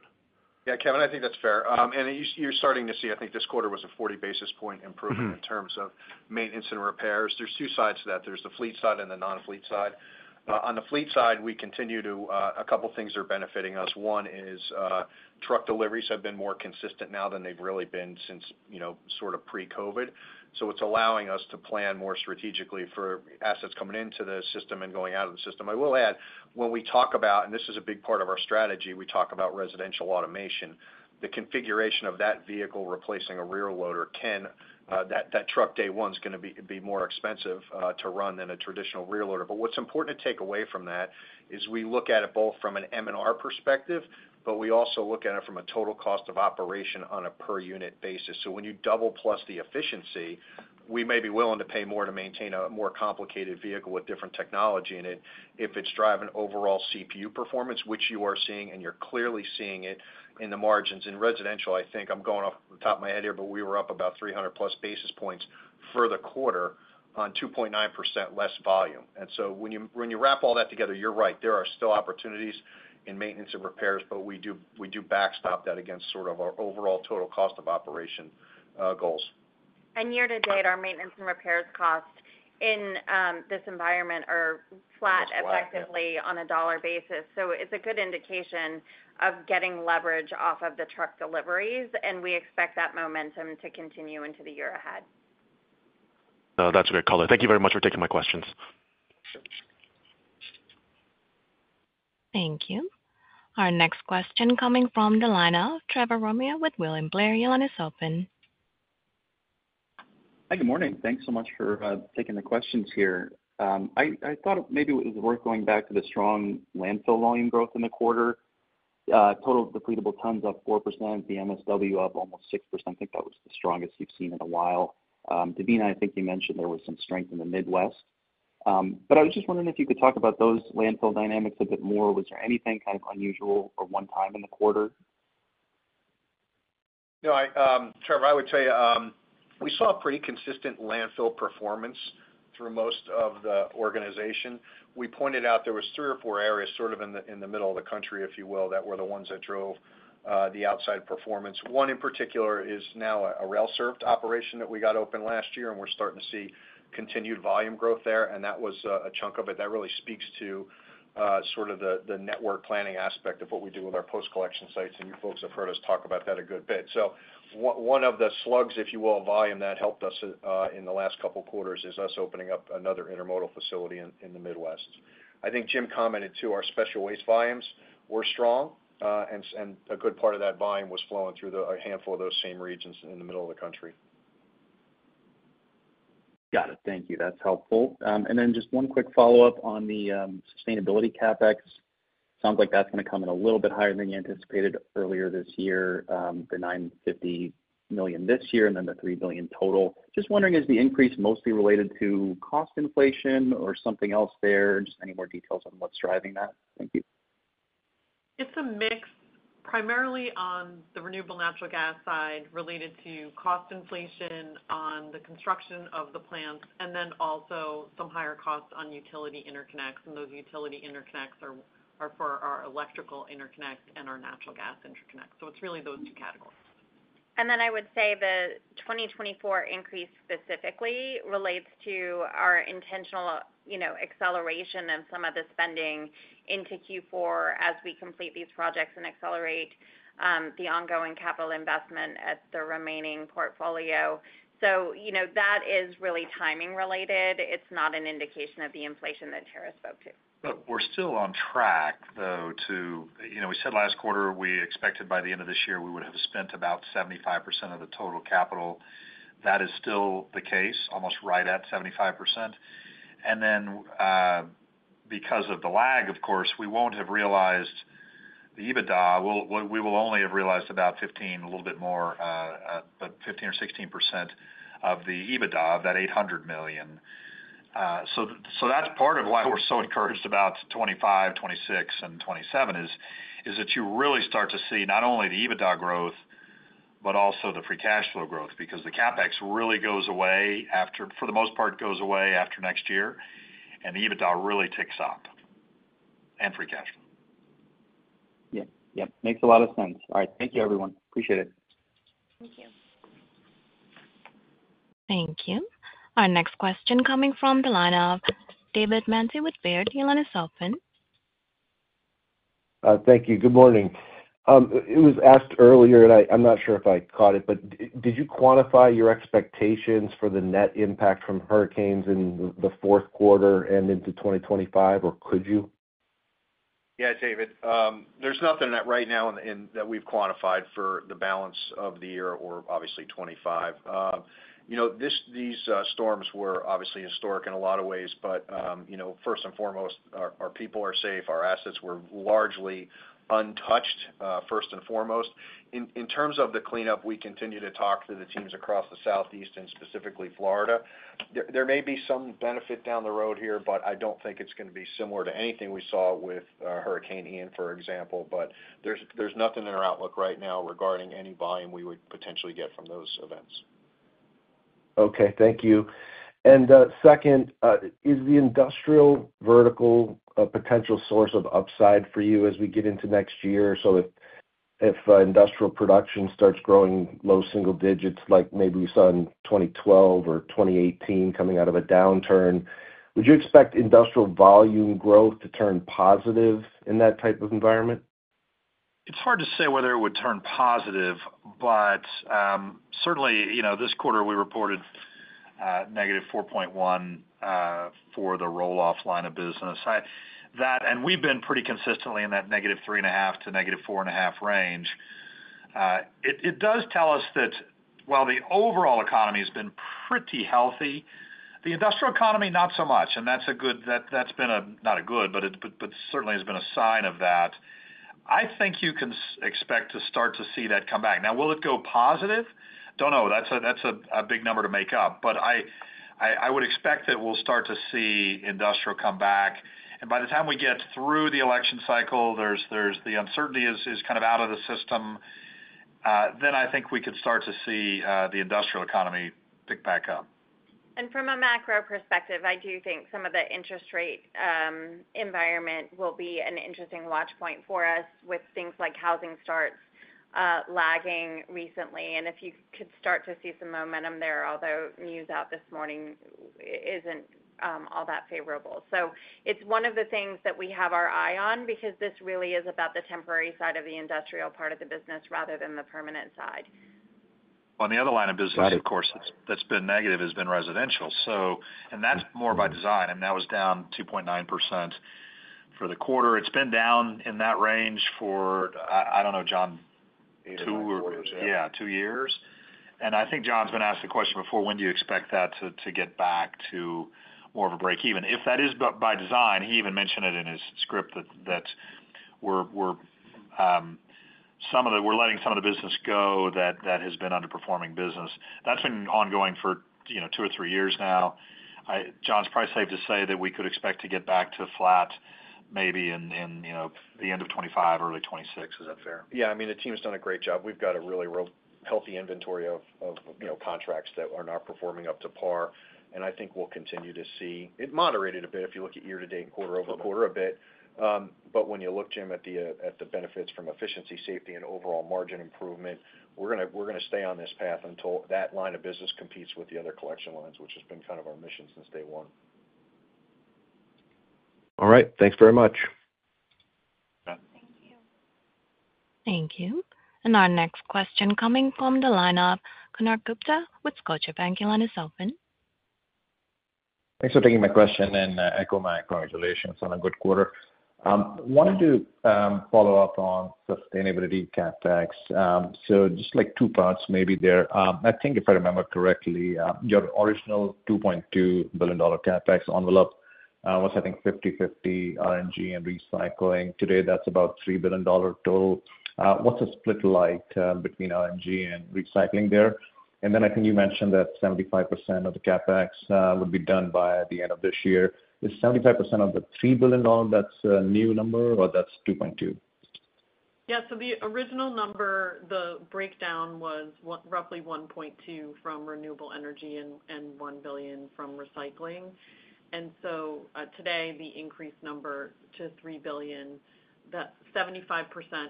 Yeah, Kevin, I think that's fair. And you're starting to see, I think this quarter was a 40 basis point improvement in terms of maintenance and repairs. There's two sides to that. There's the fleet side and the non-fleet side. On the fleet side, we continue to a couple of things are benefiting us. One is truck deliveries have been more consistent now than they've really been since sort of pre-COVID. So it's allowing us to plan more strategically for assets coming into the system and going out of the system. I will add, when we talk about, and this is a big part of our strategy, we talk about residential automation. The configuration of that vehicle replacing a rear loader can, that truck day one is going to be more expensive to run than a traditional rear loader. But what's important to take away from that is we look at it both from an M&R perspective, but we also look at it from a total cost of operation on a per unit basis. So when you double-plus the efficiency, we may be willing to pay more to maintain a more complicated vehicle with different technology in it if it's driving overall CPU performance, which you are seeing, and you're clearly seeing it in the margins. In residential, I think I'm going off the top of my head here, but we were up about 300 plus basis points for the quarter on 2.9% less volume. And so when you wrap all that together, you're right, there are still opportunities in maintenance and repairs, but we do backstop that against sort of our overall total cost of operation goals. And year-to-date, our maintenance and repairs cost in this environment are flat effectively on a dollar basis. So it's a good indication of getting leverage off of the truck deliveries, and we expect that momentum to continue into the year ahead. That's a great color. Thank you very much for taking my questions. Thank you. Our next question coming from the line of Trevor Romeo with William Blair. Hi, good morning. Thanks so much for taking the questions here. I thought maybe it was worth going back to the strong landfill volume growth in the quarter, total depletable tons up 4%, the MSW up almost 6%. I think that was the strongest you've seen in a while. Devina, I think you mentioned there was some strength in the Midwest. But I was just wondering if you could talk about those landfill dynamics a bit more. Was there anything kind of unusual or one time in the quarter? No, Trevor, I would tell you we saw pretty consistent landfill performance through most of the organization. We pointed out there were three or four areas sort of in the middle of the country, if you will, that were the ones that drove the outsize performance. One in particular is now a rail-served operation that we got open last year, and we're starting to see continued volume growth there. And that was a chunk of it that really speaks to sort of the network planning aspect of what we do with our post-collection sites. And you folks have heard us talk about that a good bit. So one of the slugs, if you will, of volume that helped us in the last couple of quarters is us opening up another intermodal facility in the Midwest. I think Jim commented too, our special waste volumes were strong, and a good part of that volume was flowing through a handful of those same regions in the middle of the country. Got it. Thank you. That's helpful. And then just one quick follow-up on the sustainability CapEx. Sounds like that's going to come in a little bit higher than you anticipated earlier this year, the $950 million this year, and then the $3 billion total. Just wondering, is the increase mostly related to cost inflation or something else there? Just any more details on what's driving that? Thank you. It's a mix primarily on the renewable natural gas side related to cost inflation on the construction of the plants, and then also some higher costs on utility interconnects. Those utility interconnects are for our electrical interconnect and our natural gas interconnect. It's really those two categories. And then I would say the 2024 increase specifically relates to our intentional acceleration of some of the spending into Q4 as we complete these projects and accelerate the ongoing capital investment at the remaining portfolio. So that is really timing related. It's not an indication of the inflation that Tara spoke to. But we're still on track, though, to we said last quarter we expected by the end of this year we would have spent about 75% of the total capital. That is still the case, almost right at 75%. And then because of the lag, of course, we won't have realized the EBITDA. We will only have realized about 15, a little bit more, but 15% or 16% of the EBITDA of that $800 million. So that's part of why we're so encouraged about 2025, 2026, and 2027 is that you really start to see not only the EBITDA growth, but also the Free Cash Flow growth because the CapEx really goes away after, for the most part, goes away after next year, and the EBITDA really ticks up and Free Cash Flow. Yeah. Yep. Makes a lot of sense. All right. Thank you, everyone. Appreciate it. Thank you. Thank you. Our next question coming from the line of David Manthey with Baird. Your line is open. Thank you. Good morning. It was asked earlier, and I'm not sure if I caught it, but did you quantify your expectations for the net impact from hurricanes in the fourth quarter and into 2025, or could you? Yeah, David. There's nothing right now that we've quantified for the balance of the year or obviously 2025. These storms were obviously historic in a lot of ways, but first and foremost, our people are safe. Our assets were largely untouched, first and foremost. In terms of the cleanup, we continue to talk to the teams across the Southeast and specifically Florida. There may be some benefit down the road here, but I don't think it's going to be similar to anything we saw with Hurricane Ian, for example. But there's nothing in our outlook right now regarding any volume we would potentially get from those events. Okay. Thank you. And second, is the industrial vertical a potential source of upside for you as we get into next year? So if industrial production starts growing low single digits, like maybe we saw in 2012 or 2018 coming out of a downturn, would you expect industrial volume growth to turn positive in that type of environment? It's hard to say whether it would turn positive, but certainly this quarter we reported -4.1 for the roll-off line of business. And we've been pretty consistently in that -3.5 to -4.5 range. It does tell us that while the overall economy has been pretty healthy, the industrial economy not so much. And that's a good, that's been not a good, but certainly has been a sign of that. I think you can expect to start to see that come back. Now, will it go positive? Don't know. That's a big number to make up. But I would expect that we'll start to see industrial come back. And by the time we get through the election cycle, the uncertainty is kind of out of the system, then I think we could start to see the industrial economy pick back up. From a macro perspective, I do think some of the interest rate environment will be an interesting watchpoint for us with things like housing starts lagging recently. If you could start to see some momentum there, although news out this morning isn't all that favorable. It's one of the things that we have our eye on because this really is about the temporary side of the industrial part of the business rather than the permanent side. On the other line of business, of course, that's been negative has been residential. That's more by design. That was down 2.9% for the quarter. It's been down in that range for, I don't know, John, two or. Eight or more years. Yeah, two years. And I think John's been asked the question before, when do you expect that to get back to more of a breakeven? If that is by design, he even mentioned it in his script that we're letting some of the business go that has been underperforming business. That's been ongoing for two or three years now. John's probably safe to say that we could expect to get back to flat maybe in the end of 2025, early 2026. Is that fair? Yeah. I mean, the team's done a great job. We've got a really healthy inventory of contracts that are not performing up to par, and I think we'll continue to see it moderated a bit if you look at year to date and quarter over quarter a bit, but when you look, Jim, at the benefits from efficiency, safety, and overall margin improvement, we're going to stay on this path until that line of business competes with the other collection lines, which has been kind of our mission since day one. All right. Thanks very much. Thank you. Thank you, and our next question coming from the line of Konark Gupta with Scotiabank. Your line is open. Thanks for taking my question and echo my congratulations on a good quarter. I wanted to follow up on sustainability CapEx. So just like two parts maybe there. I think if I remember correctly, your original $2.2 billion CapEx envelope was, I think, 50/50 RNG and recycling. Today, that's about $3 billion total. What's the split like between RNG and recycling there? And then I think you mentioned that 75% of the CapEx would be done by the end of this year. Is 75% of the $3 billion, that's a new number, or that's 2.2? Yeah. So the original number, the breakdown was roughly $1.2 billion from renewable energy and $1 billion from recycling. And so today, the increased number to $3 billion, that 75%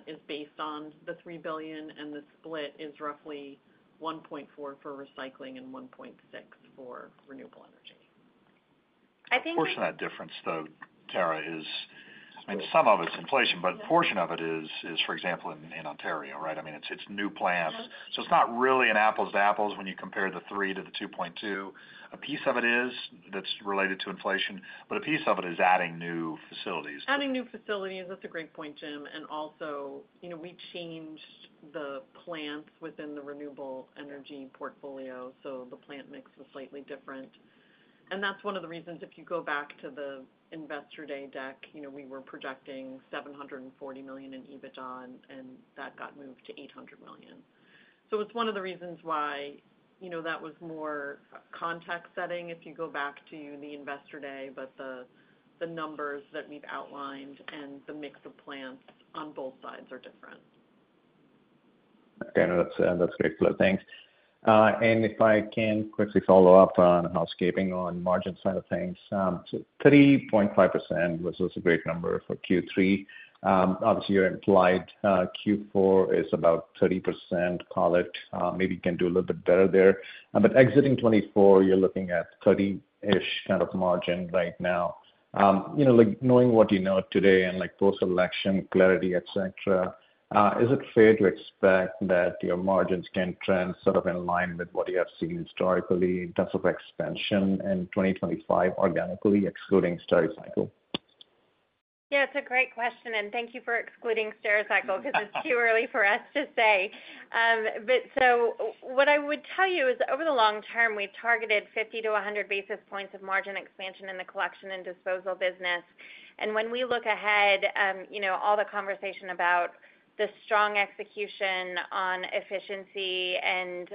is based on the $3 billion, and the split is roughly $1.4 billion for recycling and $1.6 billion for renewable energy. I think. Portion of that difference, though, Tara, is, I mean, some of it's inflation, but a portion of it is, for example, in Ontario, right? I mean, it's new plants. So it's not really an apples-to-apples when you compare the 3 to the 2.2. A piece of it is, that's related to inflation, but a piece of it is adding new facilities. Adding new facilities, that's a great point, Jim. And also, we changed the plants within the renewable energy portfolio, so the plant mix was slightly different. And that's one of the reasons if you go back to the investor day deck, we were projecting $740 million in EBITDA, and that got moved to $800 million. So it's one of the reasons why that was more context setting if you go back to the investor day, but the numbers that we've outlined and the mix of plants on both sides are different. And that's great flow. Thanks. And if I can quickly follow up on housekeeping on the margin side of things. So 3.5% was a great number for Q3. Obviously, your implied Q4 is about 30%, call it. Maybe you can do a little bit better there. But exiting 2024, you're looking at 30-ish kind of margin right now. Knowing what you know today and post-election clarity, etc., is it fair to expect that your margins can trend sort of in line with what you have seen historically in terms of expansion in 2025 organically, excluding Stericycle? Yeah, it's a great question, and thank you for excluding Stericycle because it's too early for us to say. But, so what I would tell you is over the long term, we targeted 50-100 basis points of margin expansion in the collection and disposal business. And when we look ahead, all the conversation about the strong execution on efficiency and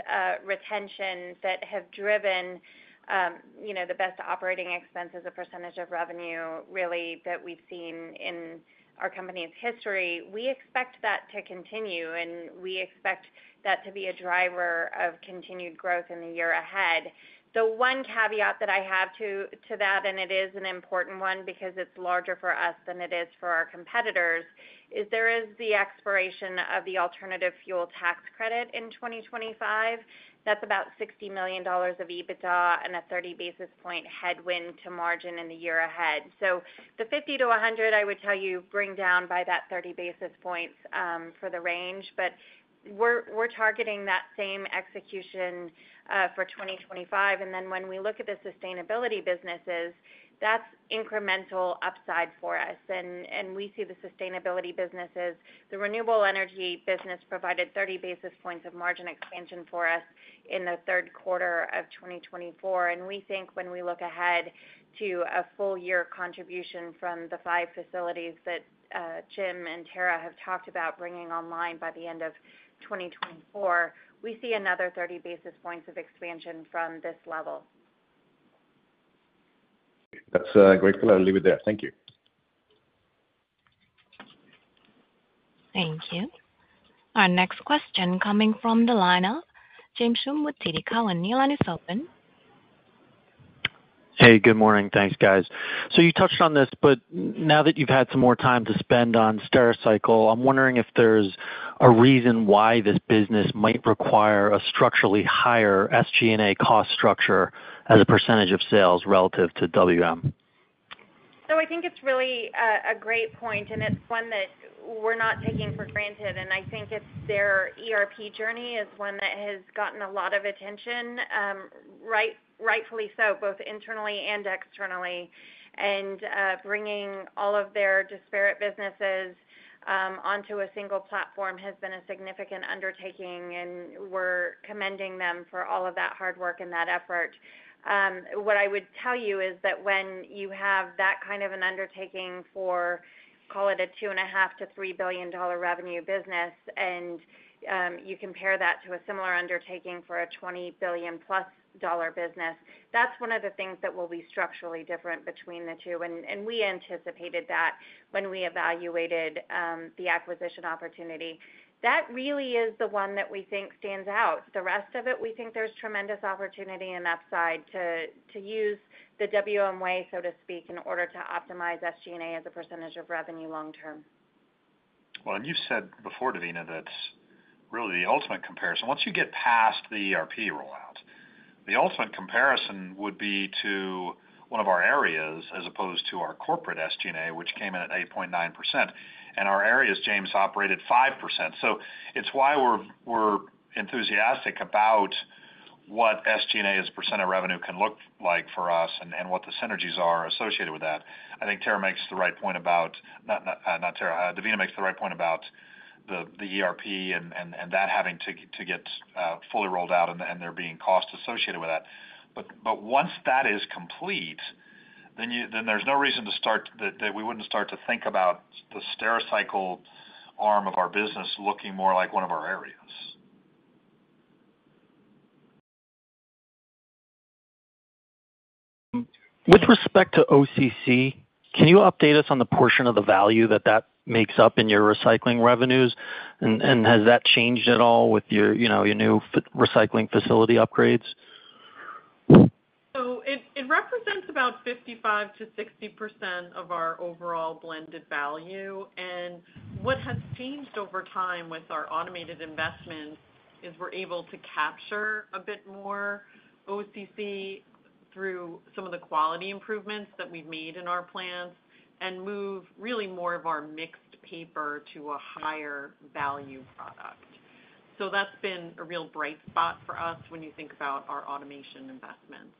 retention that have driven the best operating expenses of percentage of revenue really that we've seen in our company's history, we expect that to continue, and we expect that to be a driver of continued growth in the year ahead. The one caveat that I have to that, and it is an important one because it's larger for us than it is for our competitors, is there is the expiration of the alternative fuel tax credit in 2025. That's about $60 million of EBITDA and a 30 basis point headwind to margin in the year ahead. So the 50 to 100, I would tell you, bring down by that 30 basis points for the range. But we're targeting that same execution for 2025. And then when we look at the sustainability businesses, that's incremental upside for us. And we see the sustainability businesses, the renewable energy business provided 30 basis points of margin expansion for us in the third quarter of 2024. And we think when we look ahead to a full year contribution from the five facilities that Jim and Tara have talked about bringing online by the end of 2024, we see another 30 basis points of expansion from this level. That's a great point. I'll leave it there. Thank you. Thank you. Our next question coming from the line of James Schumm with TD Cowen. The line is open. Hey, good morning. Thanks, guys. So you touched on this, but now that you've had some more time to spend on Stericycle, I'm wondering if there's a reason why this business might require a structurally higher SG&A cost structure as a percentage of sales relative to WM? So I think it's really a great point, and it's one that we're not taking for granted. And I think their ERP journey is one that has gotten a lot of attention, rightfully so, both internally and externally. And bringing all of their disparate businesses onto a single platform has been a significant undertaking, and we're commending them for all of that hard work and that effort. What I would tell you is that when you have that kind of an undertaking for, call it a $2.5 billion-$3 billion revenue business, and you compare that to a similar undertaking for a $20 billion-plus business, that's one of the things that will be structurally different between the two. And we anticipated that when we evaluated the acquisition opportunity. That really is the one that we think stands out. The rest of it, we think there's tremendous opportunity and upside to use the WM way, so to speak, in order to optimize SG&A as a percentage of revenue long term. You've said before, Devina, that's really the ultimate comparison. Once you get past the ERP rollout, the ultimate comparison would be to one of our areas as opposed to our corporate SG&A, which came in at 8.9%. And our areas, James operated 5%. It's why we're enthusiastic about what SG&A as a percent of revenue can look like for us and what the synergies are associated with that. I think Tara makes the right point about, not Tara, Devina makes the right point about the ERP and that having to get fully rolled out and there being costs associated with that. Once that is complete, then there's no reason to start that we wouldn't start to think about the Stericycle arm of our business looking more like one of our areas. With respect to OCC, can you update us on the portion of the value that that makes up in your recycling revenues? And has that changed at all with your new recycling facility upgrades? So it represents about 55%-60% of our overall blended value. And what has changed over time with our automated investment is we're able to capture a bit more OCC through some of the quality improvements that we've made in our plants and move really more of our mixed paper to a higher value product. So that's been a real bright spot for us when you think about our automation investments.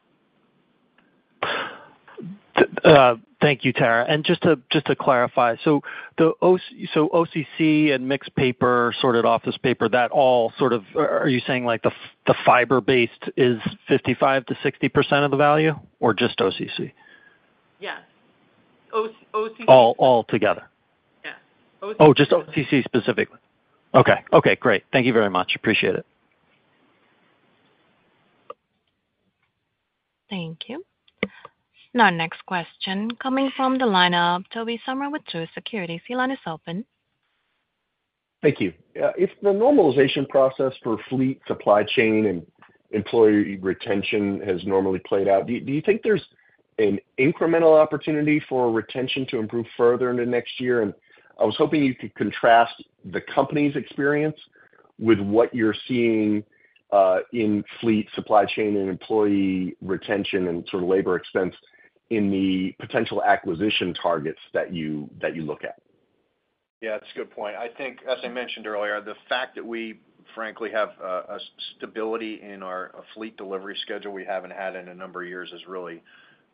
Thank you, Tara. And just to clarify, so OCC and mixed paper, sorted office paper, that all sort of, are you saying like the fiber-based is 55%-60% of the value or just OCC? Yes. OCC. All together? Yes. OCC. Oh, just OCC specifically. Okay. Okay. Great. Thank you very much. Appreciate it. Thank you. Now, next question coming from the line of Tobey Sommer with Truist Securities. The line is open. Thank you. If the normalization process for fleet supply chain and employee retention has normally played out, do you think there's an incremental opportunity for retention to improve further in the next year? And I was hoping you could contrast the company's experience with what you're seeing in fleet supply chain and employee retention and sort of labor expense in the potential acquisition targets that you look at. Yeah, that's a good point. I think, as I mentioned earlier, the fact that we, frankly, have a stability in our fleet delivery schedule we haven't had in a number of years is really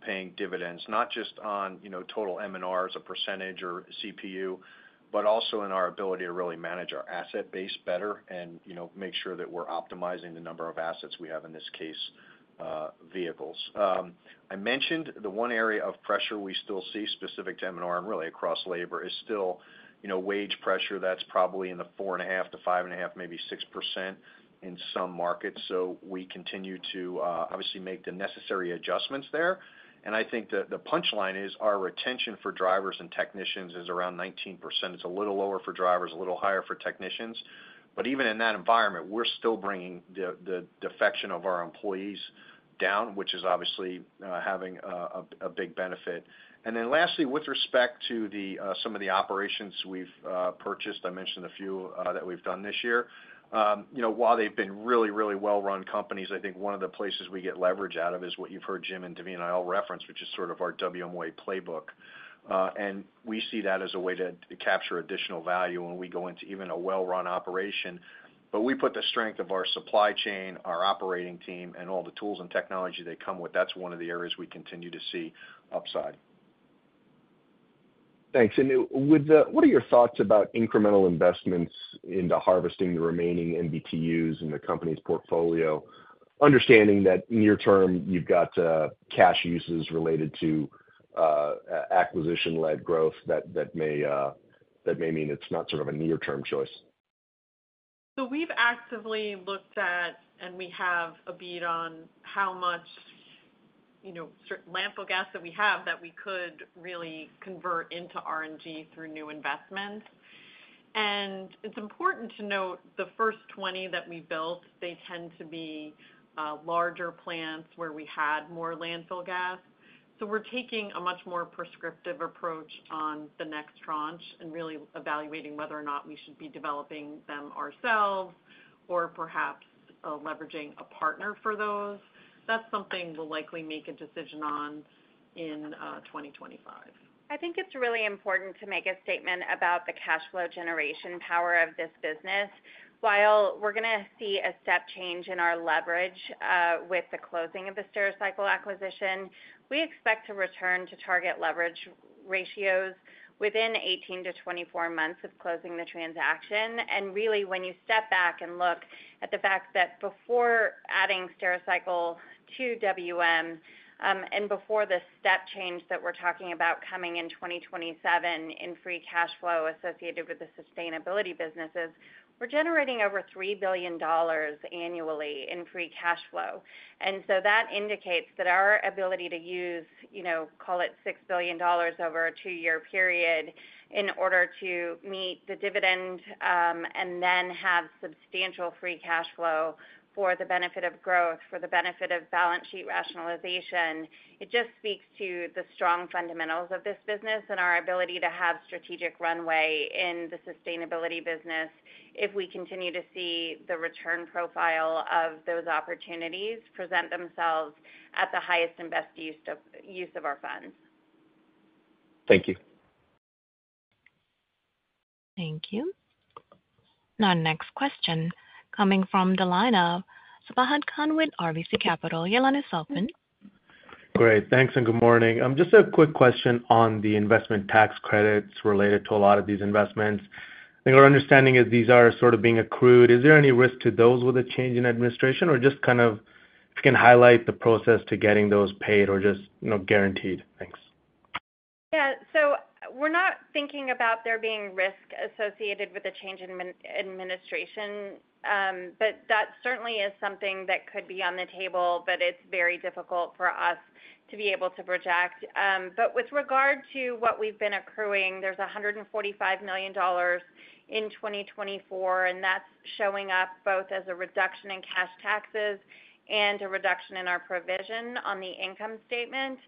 paying dividends, not just on total M&R as a percentage or CPU, but also in our ability to really manage our asset base better and make sure that we're optimizing the number of assets we have, in this case, vehicles. I mentioned the one area of pressure we still see specific to M&R and really across labor is still wage pressure. That's probably in the 4.5%-5.5%, maybe 6% in some markets. So we continue to obviously make the necessary adjustments there. And I think the punchline is our retention for drivers and technicians is around 19%. It's a little lower for drivers, a little higher for technicians. But even in that environment, we're still bringing the defection of our employees down, which is obviously having a big benefit. And then lastly, with respect to some of the operations we've purchased, I mentioned a few that we've done this year. While they've been really, really well-run companies, I think one of the places we get leverage out of is what you've heard Jim and Devina and I all reference, which is sort of our WM way playbook. And we see that as a way to capture additional value when we go into even a well-run operation. But we put the strength of our supply chain, our operating team, and all the tools and technology they come with. That's one of the areas we continue to see upside. Thanks. And what are your thoughts about incremental investments into harvesting the remaining MMBtus in the company's portfolio, understanding that near term you've got cash uses related to acquisition-led growth that may mean it's not sort of a near-term choice? We've actively looked at and we have a bead on how much landfill gas that we have that we could really convert into RNG through new investments. It's important to note the first 20 that we built. They tend to be larger plants where we had more landfill gas. We're taking a much more prescriptive approach on the next tranche and really evaluating whether or not we should be developing them ourselves or perhaps leveraging a partner for those. That's something we'll likely make a decision on in 2025. I think it's really important to make a statement about the cash flow generation power of this business. While we're going to see a step change in our leverage with the closing of the Stericycle acquisition, we expect to return to target leverage ratios within 18 months-24 months of closing the transaction, and really, when you step back and look at the fact that before adding Stericycle to WM and before the step change that we're talking about coming in 2027 in free cash flow associated with the sustainability businesses, we're generating over $3 billion annually in free cash flow. And so that indicates that our ability to use, call it $6 billion over a two-year period in order to meet the dividend and then have substantial free cash flow for the benefit of growth, for the benefit of balance sheet rationalization. It just speaks to the strong fundamentals of this business and our ability to have strategic runway in the sustainability business if we continue to see the return profile of those opportunities present themselves at the highest and best use of our funds. Thank you. Thank you. Now, next question coming from the line of Sabahat Khan with RBC Capital Markets. Your line is open. Great. Thanks and good morning. Just a quick question on the investment tax credits related to a lot of these investments. I think our understanding is these are sort of being accrued. Is there any risk to those with a change in administration or just kind of if you can highlight the process to getting those paid or just guaranteed? Thanks. Yeah. So we're not thinking about there being risk associated with a change in administration, but that certainly is something that could be on the table, but it's very difficult for us to be able to project. But with regard to what we've been accruing, there's $145 million in 2024, and that's showing up both as a reduction in cash taxes and a reduction in our provision on the income statement.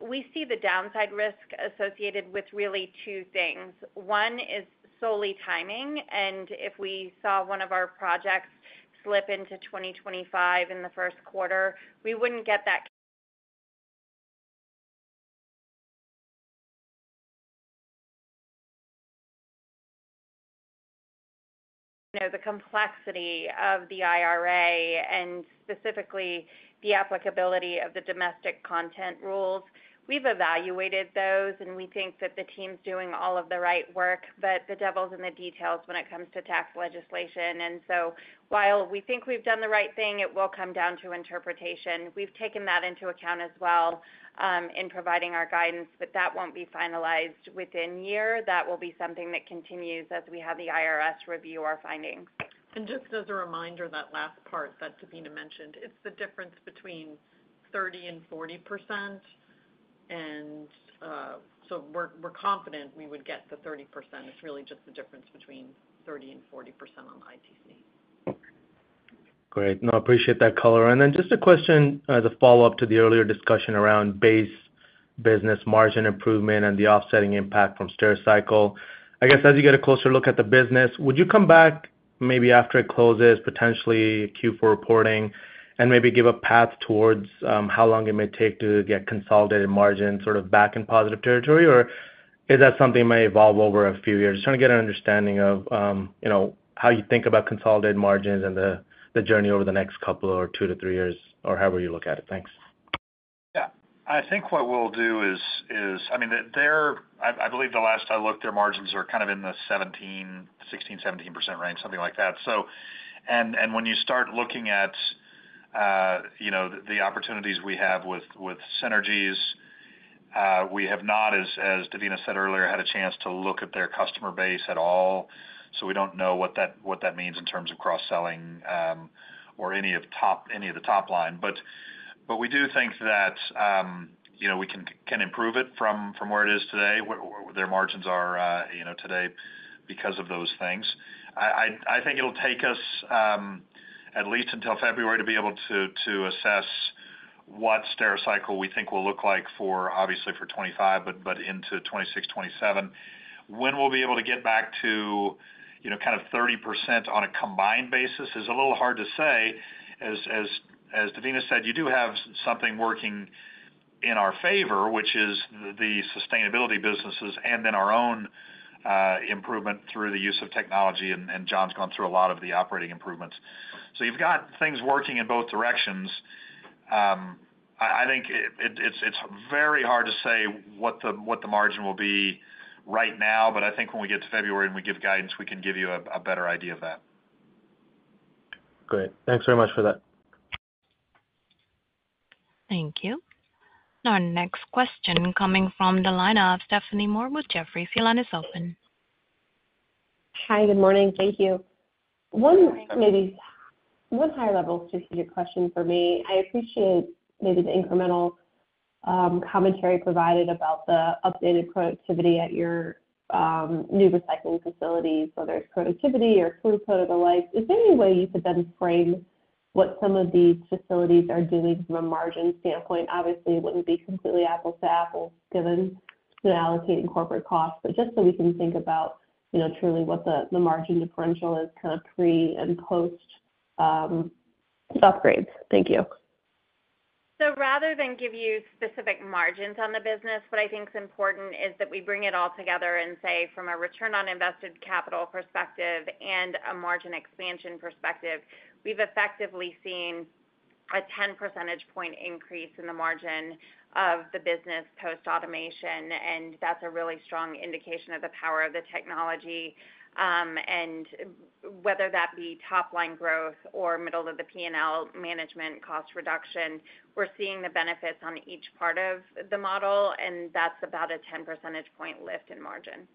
We see the downside risk associated with really two things. One is solely timing. And if we saw one of our projects slip into 2025 in the first quarter, we wouldn't get that complexity of the IRA and specifically the applicability of the domestic content rules. We've evaluated those, and we think that the team's doing all of the right work, but the devil's in the details when it comes to tax legislation. While we think we've done the right thing, it will come down to interpretation. We've taken that into account as well in providing our guidance, but that won't be finalized within a year. That will be something that continues as we have the IRS review our findings. Just as a reminder, that last part that Devina mentioned, it's the difference between 30% and 40%. We're confident we would get the 30%. It's really just the difference between 30% and 40% on the ITC. Great. No, I appreciate that color. And then just a question as a follow-up to the earlier discussion around base business margin improvement and the offsetting impact from Stericycle. I guess as you get a closer look at the business, would you come back maybe after it closes, potentially Q4 reporting, and maybe give a path towards how long it may take to get consolidated margin sort of back in positive territory, or is that something that may evolve over a few years? Just trying to get an understanding of how you think about consolidated margins and the journey over the next couple or two to three years or however you look at it. Thanks. Yeah. I think what we'll do is, I mean, I believe the last I looked, their margins are kind of in the 16%-17% range, something like that. And when you start looking at the opportunities we have with synergies, we have not, as Devina said earlier, had a chance to look at their customer base at all. So we don't know what that means in terms of cross-selling or any of the top line. But we do think that we can improve it from where it is today, where their margins are today because of those things. I think it'll take us at least until February to be able to assess what Stericycle we think will look like for, obviously, for 2025, but into 2026, 2027. When we'll be able to get back to kind of 30% on a combined basis is a little hard to say. As Devina said, you do have something working in our favor, which is the sustainability businesses and then our own improvement through the use of technology. And John's gone through a lot of the operating improvements. So you've got things working in both directions. I think it's very hard to say what the margin will be right now, but I think when we get to February and we give guidance, we can give you a better idea of that. Great. Thanks very much for that. Thank you. Now, next question coming from the line of Stephanie Moore with Jefferies. The line is open. Hi, good morning. Thank you. On a higher level to your question for me. I appreciate maybe the incremental commentary provided about the updated productivity at your new recycling facilities. Whether it's productivity or throughput or the like, is there any way you could then frame what some of these facilities are doing from a margin standpoint? Obviously, it wouldn't be completely apples to apples given the allocated corporate costs, but just so we can think about truly what the margin differential is kind of pre and post upgrades. Thank you. So rather than give you specific margins on the business, what I think is important is that we bring it all together and say, from a return on invested capital perspective and a margin expansion perspective, we've effectively seen a 10 percentage point increase in the margin of the business post automation. And that's a really strong indication of the power of the technology. And whether that be top line growth or middle of the P&L management cost reduction, we're seeing the benefits on each part of the model, and that's about a 10 percentage point lift in margin.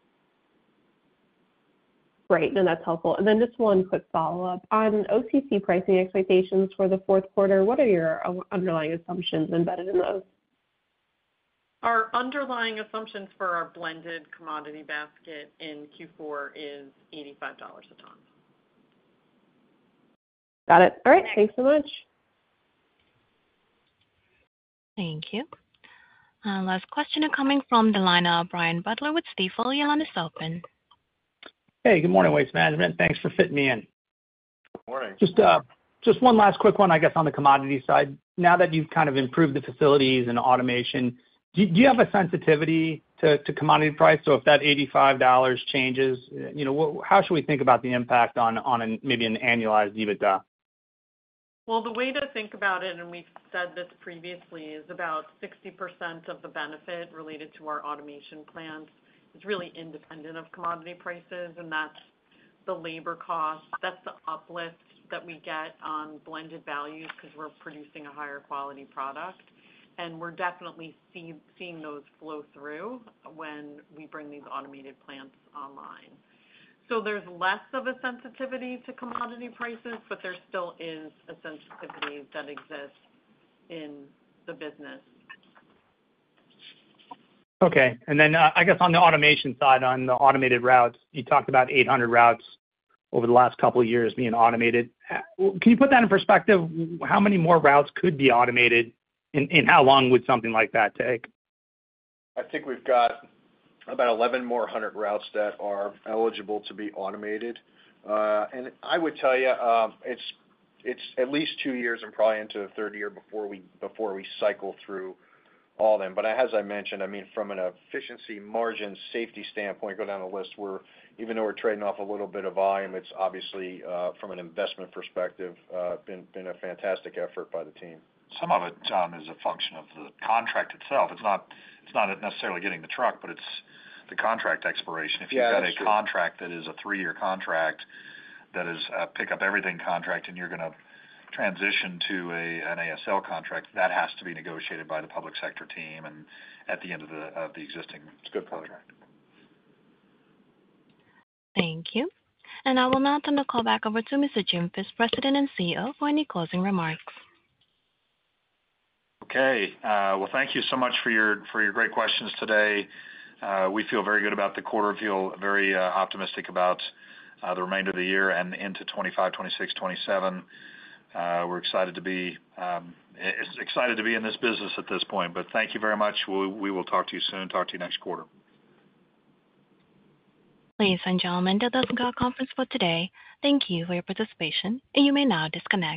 Great. No, that's helpful, and then just one quick follow-up. On OCC pricing expectations for the fourth quarter, what are your underlying assumptions embedded in those? Our underlying assumptions for our blended commodity basket in Q4 is $85 a ton. Got it. All right. Thanks so much. Thank you. Last question coming from the line of Brian Butler with Stifel. Hey, good morning, Waste Management. Thanks for fitting me in. Good morning. Just one last quick one, I guess, on the commodity side. Now that you've kind of improved the facilities and automation, do you have a sensitivity to commodity price? So if that $85 changes, how should we think about the impact on maybe an annualized EBITDA? The way to think about it, and we've said this previously, is about 60% of the benefit related to our automation plants is really independent of commodity prices, and that's the labor cost. That's the uplift that we get on blended values because we're producing a higher quality product. We're definitely seeing those flow through when we bring these automated plants online. There's less of a sensitivity to commodity prices, but there still is a sensitivity that exists in the business. Okay. And then I guess on the automation side, on the automated routes, you talked about 800 routes over the last couple of years being automated. Can you put that in perspective? How many more routes could be automated, and how long would something like that take? I think we've got about 1,100 more routes that are eligible to be automated. And I would tell you it's at least two years and probably into a third year before we cycle through all of them. But as I mentioned, I mean, from an efficiency margin safety standpoint, go down the list, even though we're trading off a little bit of volume, it's obviously, from an investment perspective, been a fantastic effort by the team. Some of it, John, is a function of the contract itself. It's not necessarily getting the truck, but it's the contract expiration. If you've got a contract that is a three-year contract that is a pick-up everything contract, and you're going to transition to an ASL contract, that has to be negotiated by the public sector team and at the end of the existing contract. Thank you. And I will now turn the call back over to Mr. Jim Fish, President and CEO, for any closing remarks. Okay. Well, thank you so much for your great questions today. We feel very good about the quarter. We feel very optimistic about the remainder of the year and into 2025, 2026, 2027. We're excited to be in this business at this point. But thank you very much. We will talk to you soon. Talk to you next quarter. Ladies and gentlemen, that does conclude our conference for today. Thank you for your participation, and you may now disconnect.